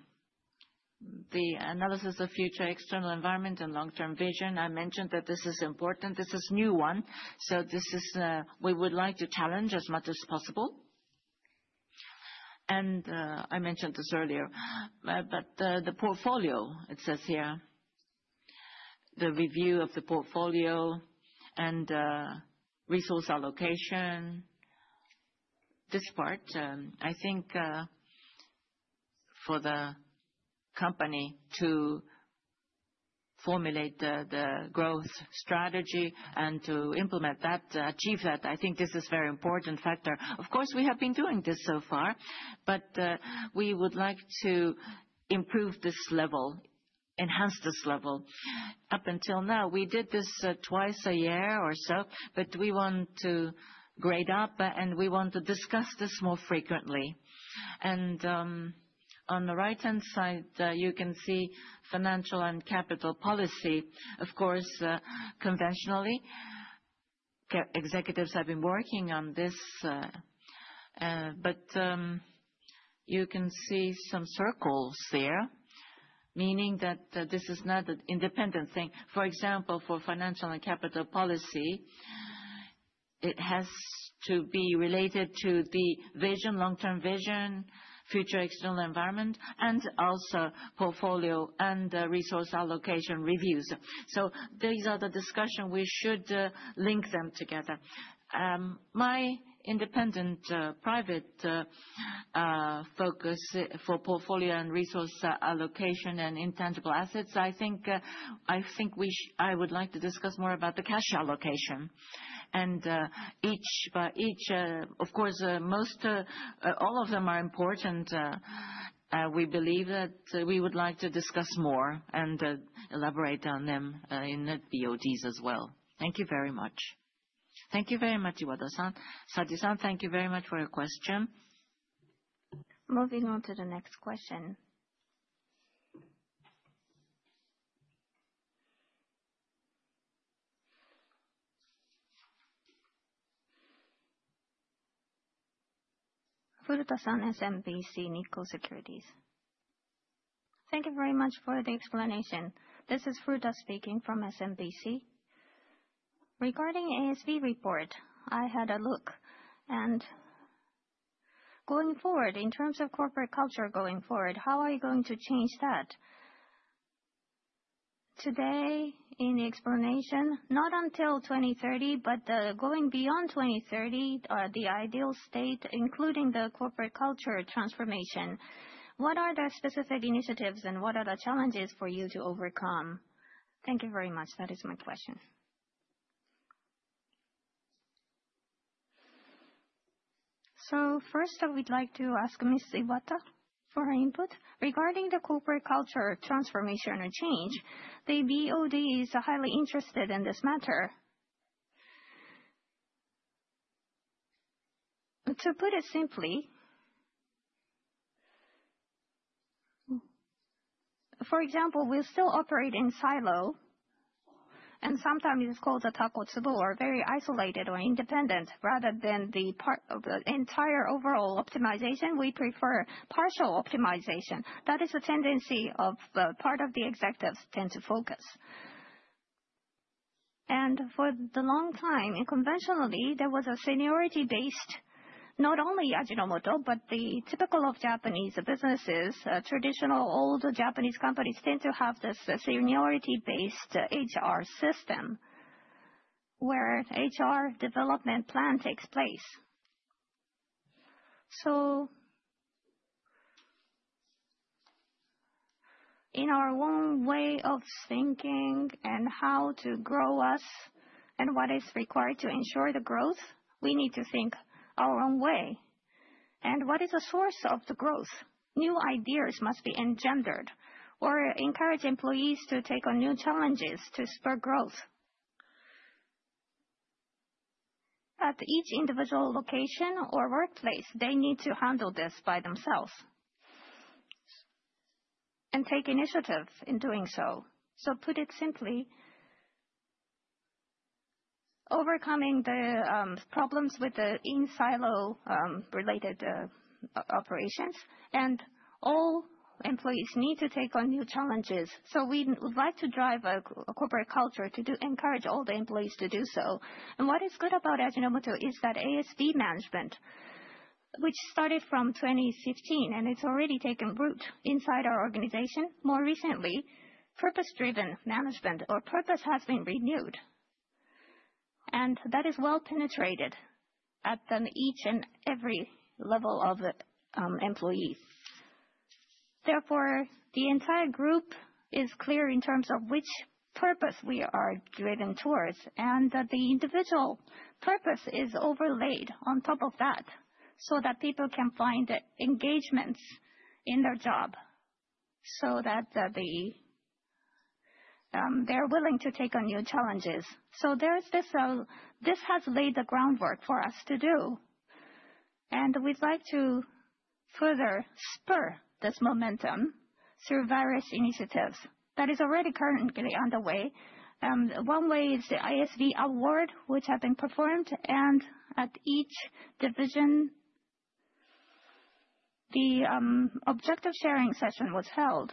the analysis of future external environment and long-term vision, I mentioned that this is important. This is a new one. We would like to challenge as much as possible. I mentioned this earlier, but the portfolio, it says here, the review of the portfolio and resource allocation, this part, I think for the company to formulate the growth strategy and to implement that, achieve that, I think this is a very important factor. Of course, we have been doing this so far, but we would like to improve this level, enhance this level. Up until now, we did this twice a year or so, but we want to grade up, and we want to discuss this more frequently. On the right-hand side, you can see financial and capital policy, of course, conventionally. Executives have been working on this, but you can see some circles there, meaning that this is not an independent thing. For example, for financial and capital policy, it has to be related to the vision, long-term vision, future external environment, and also portfolio and resource allocation reviews. These are the discussions we should link together. My independent private focus for portfolio and resource allocation and intangible assets, I think I would like to discuss more about the cash allocation. Each, of course, all of them are important. We believe that we would like to discuss more and elaborate on them in the BODs as well. Thank you very much. Thank you very much, Iwata-san. Saji-san, thank you very much for your question. Moving on to the next question. Furuta-san, SMBC Nikko Securities. Thank you very much for the explanation. This is Furuta speaking from SMBC. Regarding the ASV report, I had a look, and going forward, in terms of corporate culture going forward, how are you going to change that? Today, in the explanation, not until 2030, but going beyond 2030, the ideal state, including the corporate culture transformation. What are the specific initiatives and what are the challenges for you to overcome? Thank you very much. That is my question. First, I would like to ask Ms. Iwata for her input. Regarding the corporate culture transformation or change, the BOD is highly interested in this matter. To put it simply, for example, we will still operate in silo, and sometimes it is called a taco tibo, or very isolated or independent. Rather than the entire overall optimization, we prefer partial optimization. That is a tendency of part of the executives tend to focus. For a long time, conventionally, there was a seniority-based, not only Ajinomoto, but the typical Japanese businesses, traditional old Japanese companies tend to have this seniority-based HR system where HR development plan takes place. In our own way of thinking and how to grow us and what is required to ensure the growth, we need to think our own way. What is the source of the growth? New ideas must be engendered or encourage employees to take on new challenges to spur growth. At each individual location or workplace, they need to handle this by themselves and take initiative in doing so. Put it simply, overcoming the problems with the in-silo related operations, and all employees need to take on new challenges. We would like to drive a corporate culture to encourage all the employees to do so. What is good about Ajinomoto is that ASV management, which started from 2015 and it's already taken root inside our organization, more recently, purpose-driven management or purpose has been renewed. That is well penetrated at each and every level of employees. Therefore, the entire group is clear in terms of which purpose we are driven towards, and the individual purpose is overlaid on top of that so that people can find engagements in their job so that they're willing to take on new challenges. This has laid the groundwork for us to do. We'd like to further spur this momentum through various initiatives that are already currently underway. One way is the ASV award, which has been performed, and at each division, the objective sharing session was held.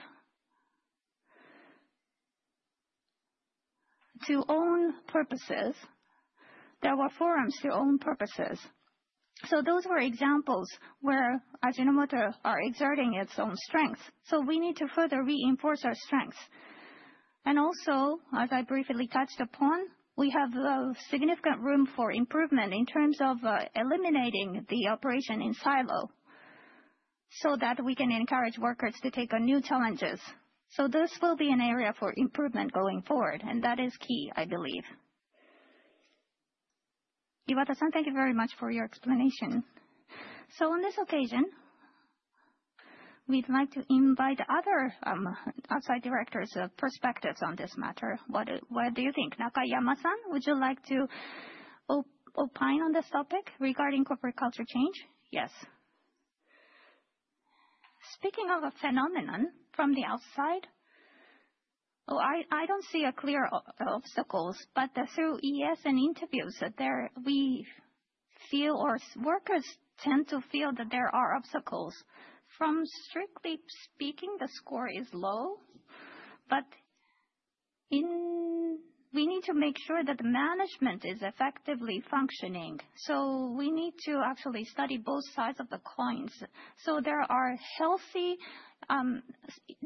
To own purposes, there were forums to own purposes. Those were examples where Ajinomoto is exerting its own strengths. We need to further reinforce our strengths. Also, as I briefly touched upon, we have significant room for improvement in terms of eliminating the operation in silo so that we can encourage workers to take on new challenges. This will be an area for improvement going forward, and that is key, I believe. Iwata-san, thank you very much for your explanation. On this occasion, we'd like to invite other outside directors' perspectives on this matter. What do you think? Nakayama-san, would you like to opine on this topic regarding corporate culture change? Yes. Speaking of a phenomenon from the outside, I don't see clear obstacles, but through ES and interviews, we feel or workers tend to feel that there are obstacles. Strictly speaking, the score is low, but we need to make sure that the management is effectively functioning. We need to actually study both sides of the coins. There are healthy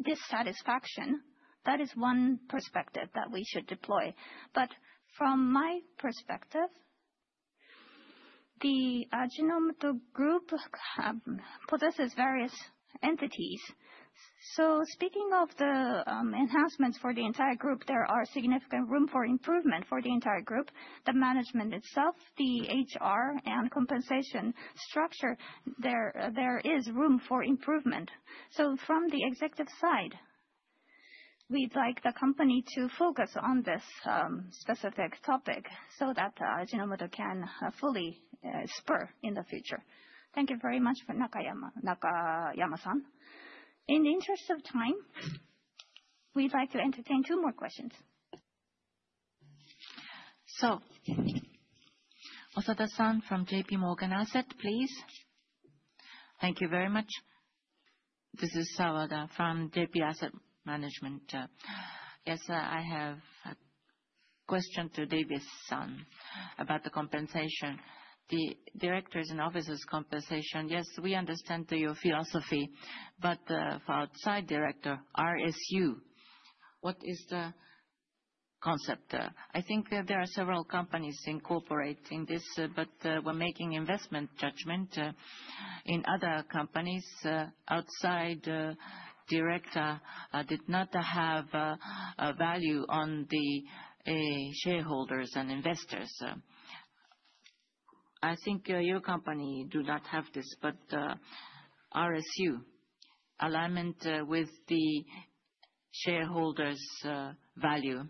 dissatisfaction. That is one perspective that we should deploy. From my perspective, the Ajinomoto Group possesses various entities. Speaking of the enhancements for the entire group, there is significant room for improvement for the entire group. The management itself, the HR and compensation structure, there is room for improvement. From the executive side, we'd like the company to focus on this specific topic so that Ajinomoto can fully spur in the future. Thank you very much for Nakayama-san. In the interest of time, we'd like to entertain two more questions. Osada-san from JP Morgan Asset, please. Thank you very much. This is Sawada from JP Morgan Asset Management. Yes, I have a question to Davis-san about the compensation, the directors and officers' compensation. Yes, we understand your philosophy, but for outside director, RSU, what is the concept? I think there are several companies incorporating this, but we're making investment judgment in other companies outside directors that did not have value on the shareholders and investors. I think your company does not have this, but RSU, alignment with the shareholders' value.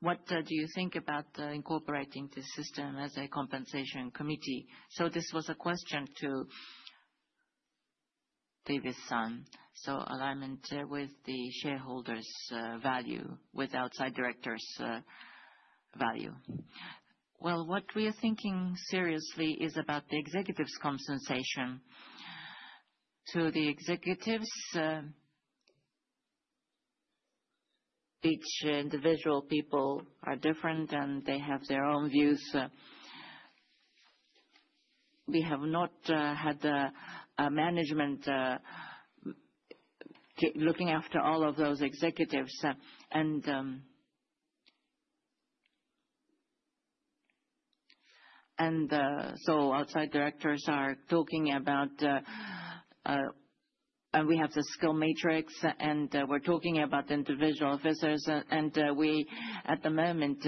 What do you think about incorporating this system as a compensation committee? This was a question to Davis-san. Alignment with the shareholders' value, with outside directors' value. What we are thinking seriously is about the executives' compensation to the executives. Each individual people are different, and they have their own views. We have not had management looking after all of those executives. Outside directors are talking about, and we have the skill matrix, and we're talking about the individual officers, and we at the moment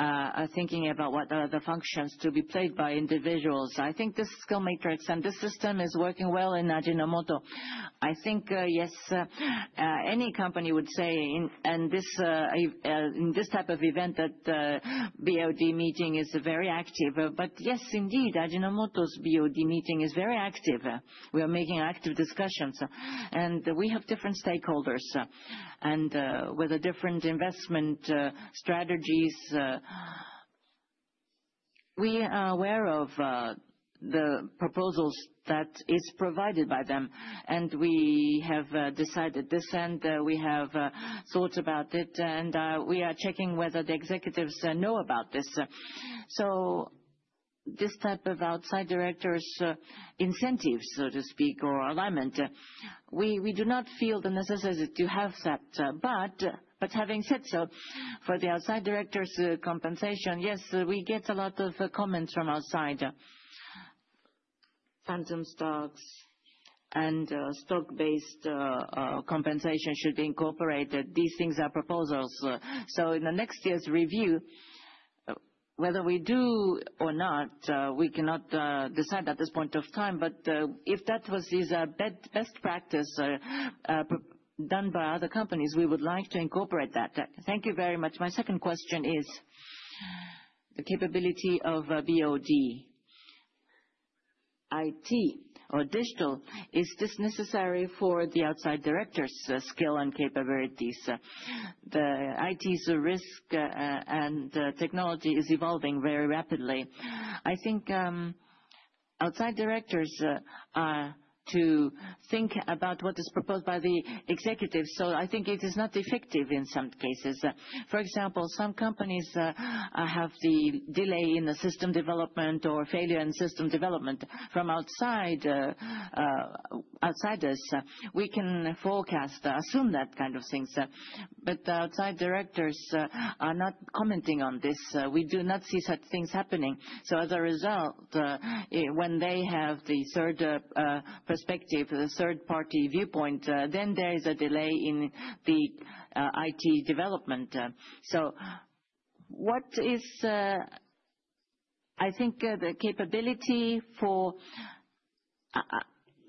are thinking about what are the functions to be played by individuals. I think this skill matrix and this system is working well in Ajinomoto. I think, yes, any company would say, in this type of event, that the BOD meeting is very active. Yes, indeed, Ajinomoto's BOD meeting is very active. We are making active discussions, and we have different stakeholders and with different investment strategies. We are aware of the proposals that are provided by them, and we have decided this, and we have thought about it, and we are checking whether the executives know about this. This type of outside directors' incentives, so to speak, or alignment, we do not feel the necessity to have that. Having said so, for the outside directors' compensation, yes, we get a lot of comments from outside. Phantom stocks and stock-based compensation should be incorporated. These things are proposals. In the next year's review, whether we do or not, we cannot decide at this point of time, but if that is a best practice done by other companies, we would like to incorporate that. Thank you very much. My second question is the capability of BOD IT or digital. Is this necessary for the outside directors' skill and capabilities? The IT's risk and technology is evolving very rapidly. I think outside directors are to think about what is proposed by the executives. I think it is not effective in some cases. For example, some companies have the delay in the system development or failure in system development from outsiders. We can forecast, assume that kind of things. Outside directors are not commenting on this. We do not see such things happening. As a result, when they have the third perspective, the third-party viewpoint, there is a delay in the IT development. What is, I think, the capability for,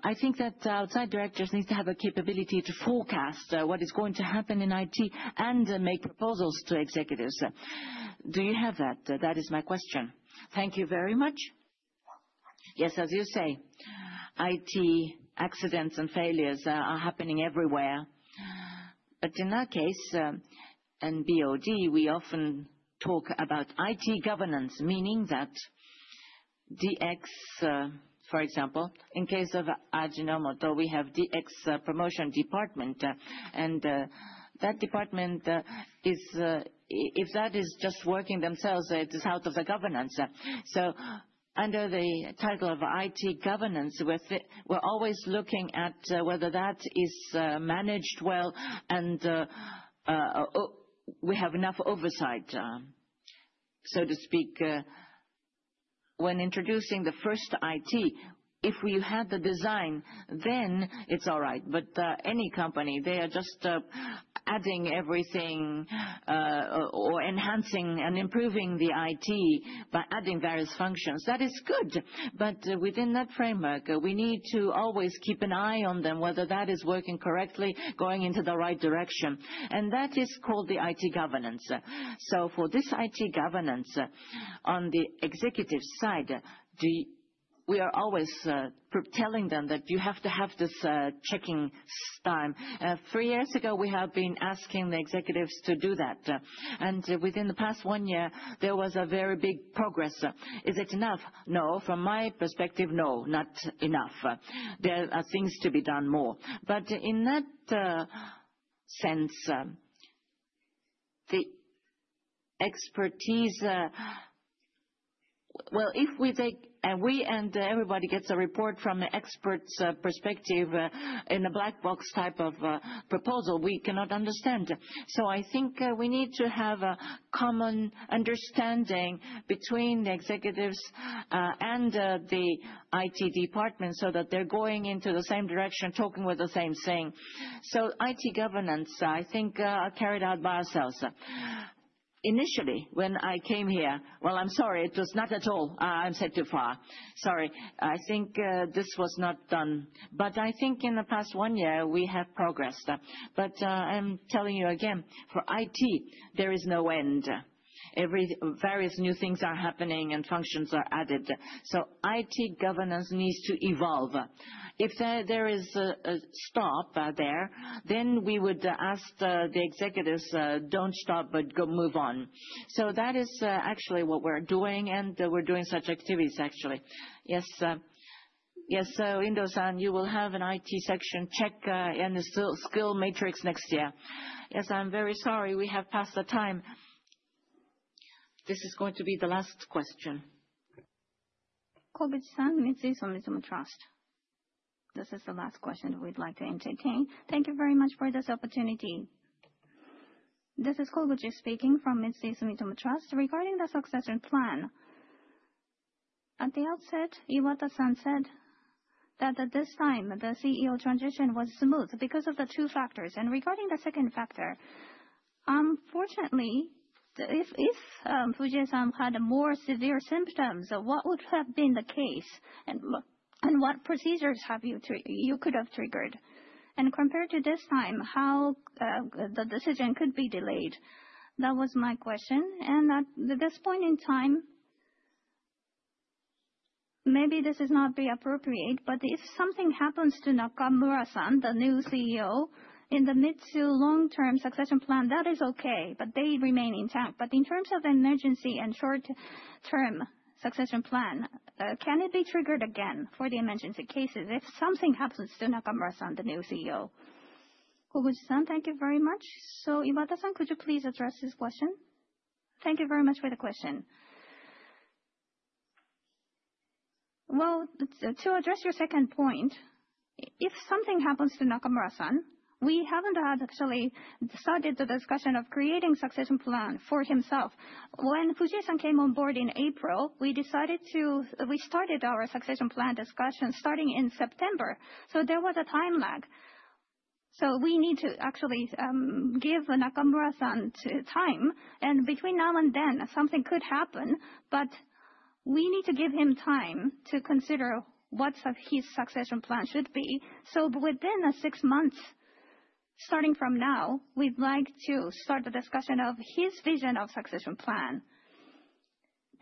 I think that outside directors need to have a capability to forecast what is going to happen in IT and make proposals to executives. Do you have that? That is my question. Thank you very much. Yes, as you say, IT accidents and failures are happening everywhere. In our case and BOD, we often talk about IT governance, meaning that DX, for example, in case of Ajinomoto, we have a DX promotion department, and that department, if that is just working themselves, it is out of the governance. Under the title of IT governance, we're always looking at whether that is managed well and we have enough oversight, so to speak. When introducing the first IT, if we had the design, then it's all right. Any company, they are just adding everything or enhancing and improving the IT by adding various functions. That is good, but within that framework, we need to always keep an eye on them, whether that is working correctly, going into the right direction. That is called the IT governance. For this IT governance on the executive side, we are always telling them that you have to have this checking time. Three years ago, we have been asking the executives to do that. Within the past one year, there was a very big progress. Is it enough? No, from my perspective, no, not enough. There are things to be done more. In that sense, the expertise, if we take and we and everybody gets a report from an expert's perspective in a black box type of proposal, we cannot understand. I think we need to have a common understanding between the executives and the IT department so that they're going into the same direction, talking with the same thing. IT governance, I think, are carried out by ourselves. Initially, when I came here, I'm sorry, it was not at all. I'm set too far. Sorry. I think this was not done. I think in the past one year, we have progressed. I'm telling you again, for IT, there is no end. Various new things are happening and functions are added. IT governance needs to evolve. If there is a stop there, we would ask the executives, don't stop, but go move on. That is actually what we're doing, and we're doing such activities, actually. Yes. Yes. Indo-san, you will have an IT section check and a skill matrix next year. Yes, I'm very sorry. We have passed the time. This is going to be the last question. Koguchi-san, Mitsui Sumitomo Trust. This is the last question we'd like to entertain. Thank you very much for this opportunity. This is Koguchi speaking from Mitsui Sumitomo Trust regarding the succession plan. At the outset, Iwata-san said that at this time, the CEO transition was smooth because of the two factors. Regarding the second factor, unfortunately, if Fujie-san had more severe symptoms, what would have been the case and what procedures you could have triggered? Compared to this time, how could the decision be delayed? That was my question. At this point in time, maybe this is not appropriate, but if something happens to Nakamura-san, the new CEO, in the mid-to-long-term succession plan, that is okay, but they remain intact. In terms of emergency and short-term succession plan, can it be triggered again for the emergency cases if something happens to Nakamura-san, the new CEO? Koguchi-san, thank you very much. Iwata-san, could you please address this question? Thank you very much for the question. To address your second point, if something happens to Nakamura-san, we haven't actually started the discussion of creating a succession plan for himself. When Fuji-san came on board in April, we decided to start our succession plan discussion starting in September. There was a time lag. We need to actually give Nakamura-san time. Between now and then, something could happen, but we need to give him time to consider what his succession plan should be. Within six months, starting from now, we'd like to start the discussion of his vision of the succession plan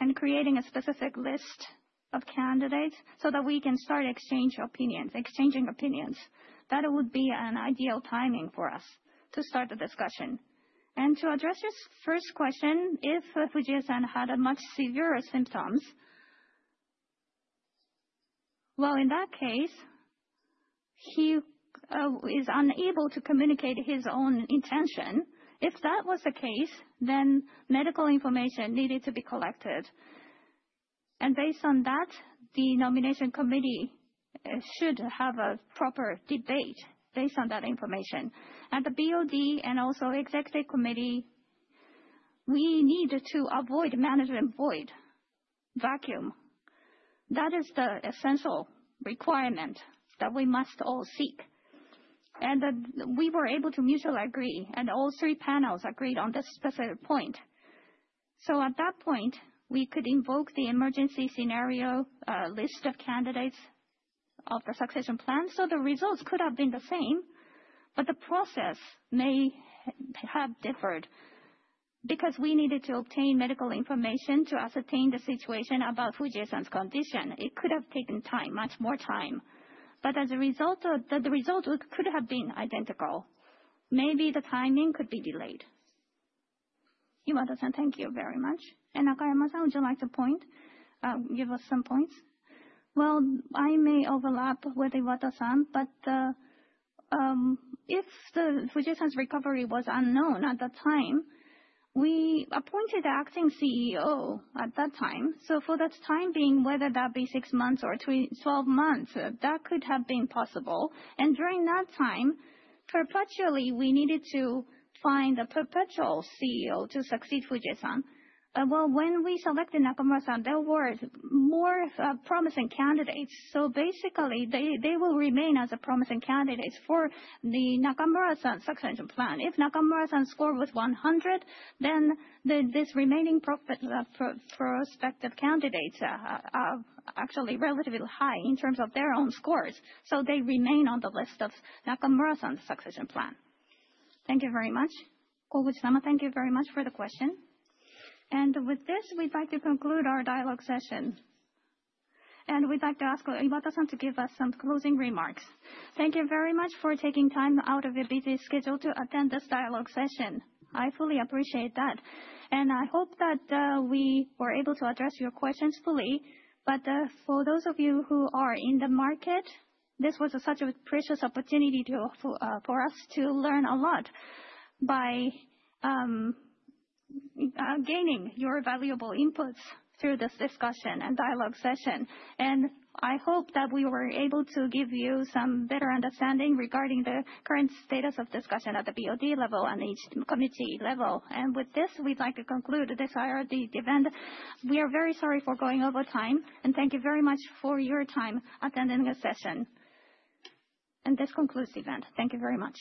and creating a specific list of candidates so that we can start exchanging opinions. That would be an ideal timing for us to start the discussion. To address your first question, if Fuji-san had much severe symptoms, in that case, he is unable to communicate his own intention. If that was the case, medical information needed to be collected. Based on that, the nomination committee should have a proper debate based on that information. At the BOD and also the executive committee, we need to avoid management void, vacuum. That is the essential requirement that we must all seek. We were able to mutually agree, and all three panels agreed on this specific point. At that point, we could invoke the emergency scenario list of candidates of the succession plan. The results could have been the same, but the process may have differed because we needed to obtain medical information to ascertain the situation about Fuji-san's condition. It could have taken time, much more time. As a result, the result could have been identical. Maybe the timing could be delayed. Iwata-san, thank you very much. Nakayama-san, would you like to give us some points? I may overlap with Iwata-san, but if Fujie-san's recovery was unknown at the time, we appointed the acting CEO at that time. For that time being, whether that be six months or twelve months, that could have been possible. During that time, perpetually, we needed to find a perpetual CEO to succeed Fujie-san. When we selected Nakamura-san, there were more promising candidates. Basically, they will remain as promising candidates for the Nakamura-san succession plan. If Nakamura-san's score was 100, then these remaining prospective candidates are actually relatively high in terms of their own scores. They remain on the list of Nakamura-san's succession plan. Thank you very much. Koguchi-san, thank you very much for the question. With this, we'd like to conclude our dialogue session. We'd like to ask Iwata-san to give us some closing remarks. Thank you very much for taking time out of your busy schedule to attend this dialogue session. I fully appreciate that. I hope that we were able to address your questions fully. For those of you who are in the market, this was such a precious opportunity for us to learn a lot by gaining your valuable inputs through this discussion and dialogue session. I hope that we were able to give you some better understanding regarding the current status of discussion at the BOD level and each committee level. With this, we'd like to conclude this IRD event. We are very sorry for going over time, and thank you very much for your time attending this session. This concludes the event. Thank you very much.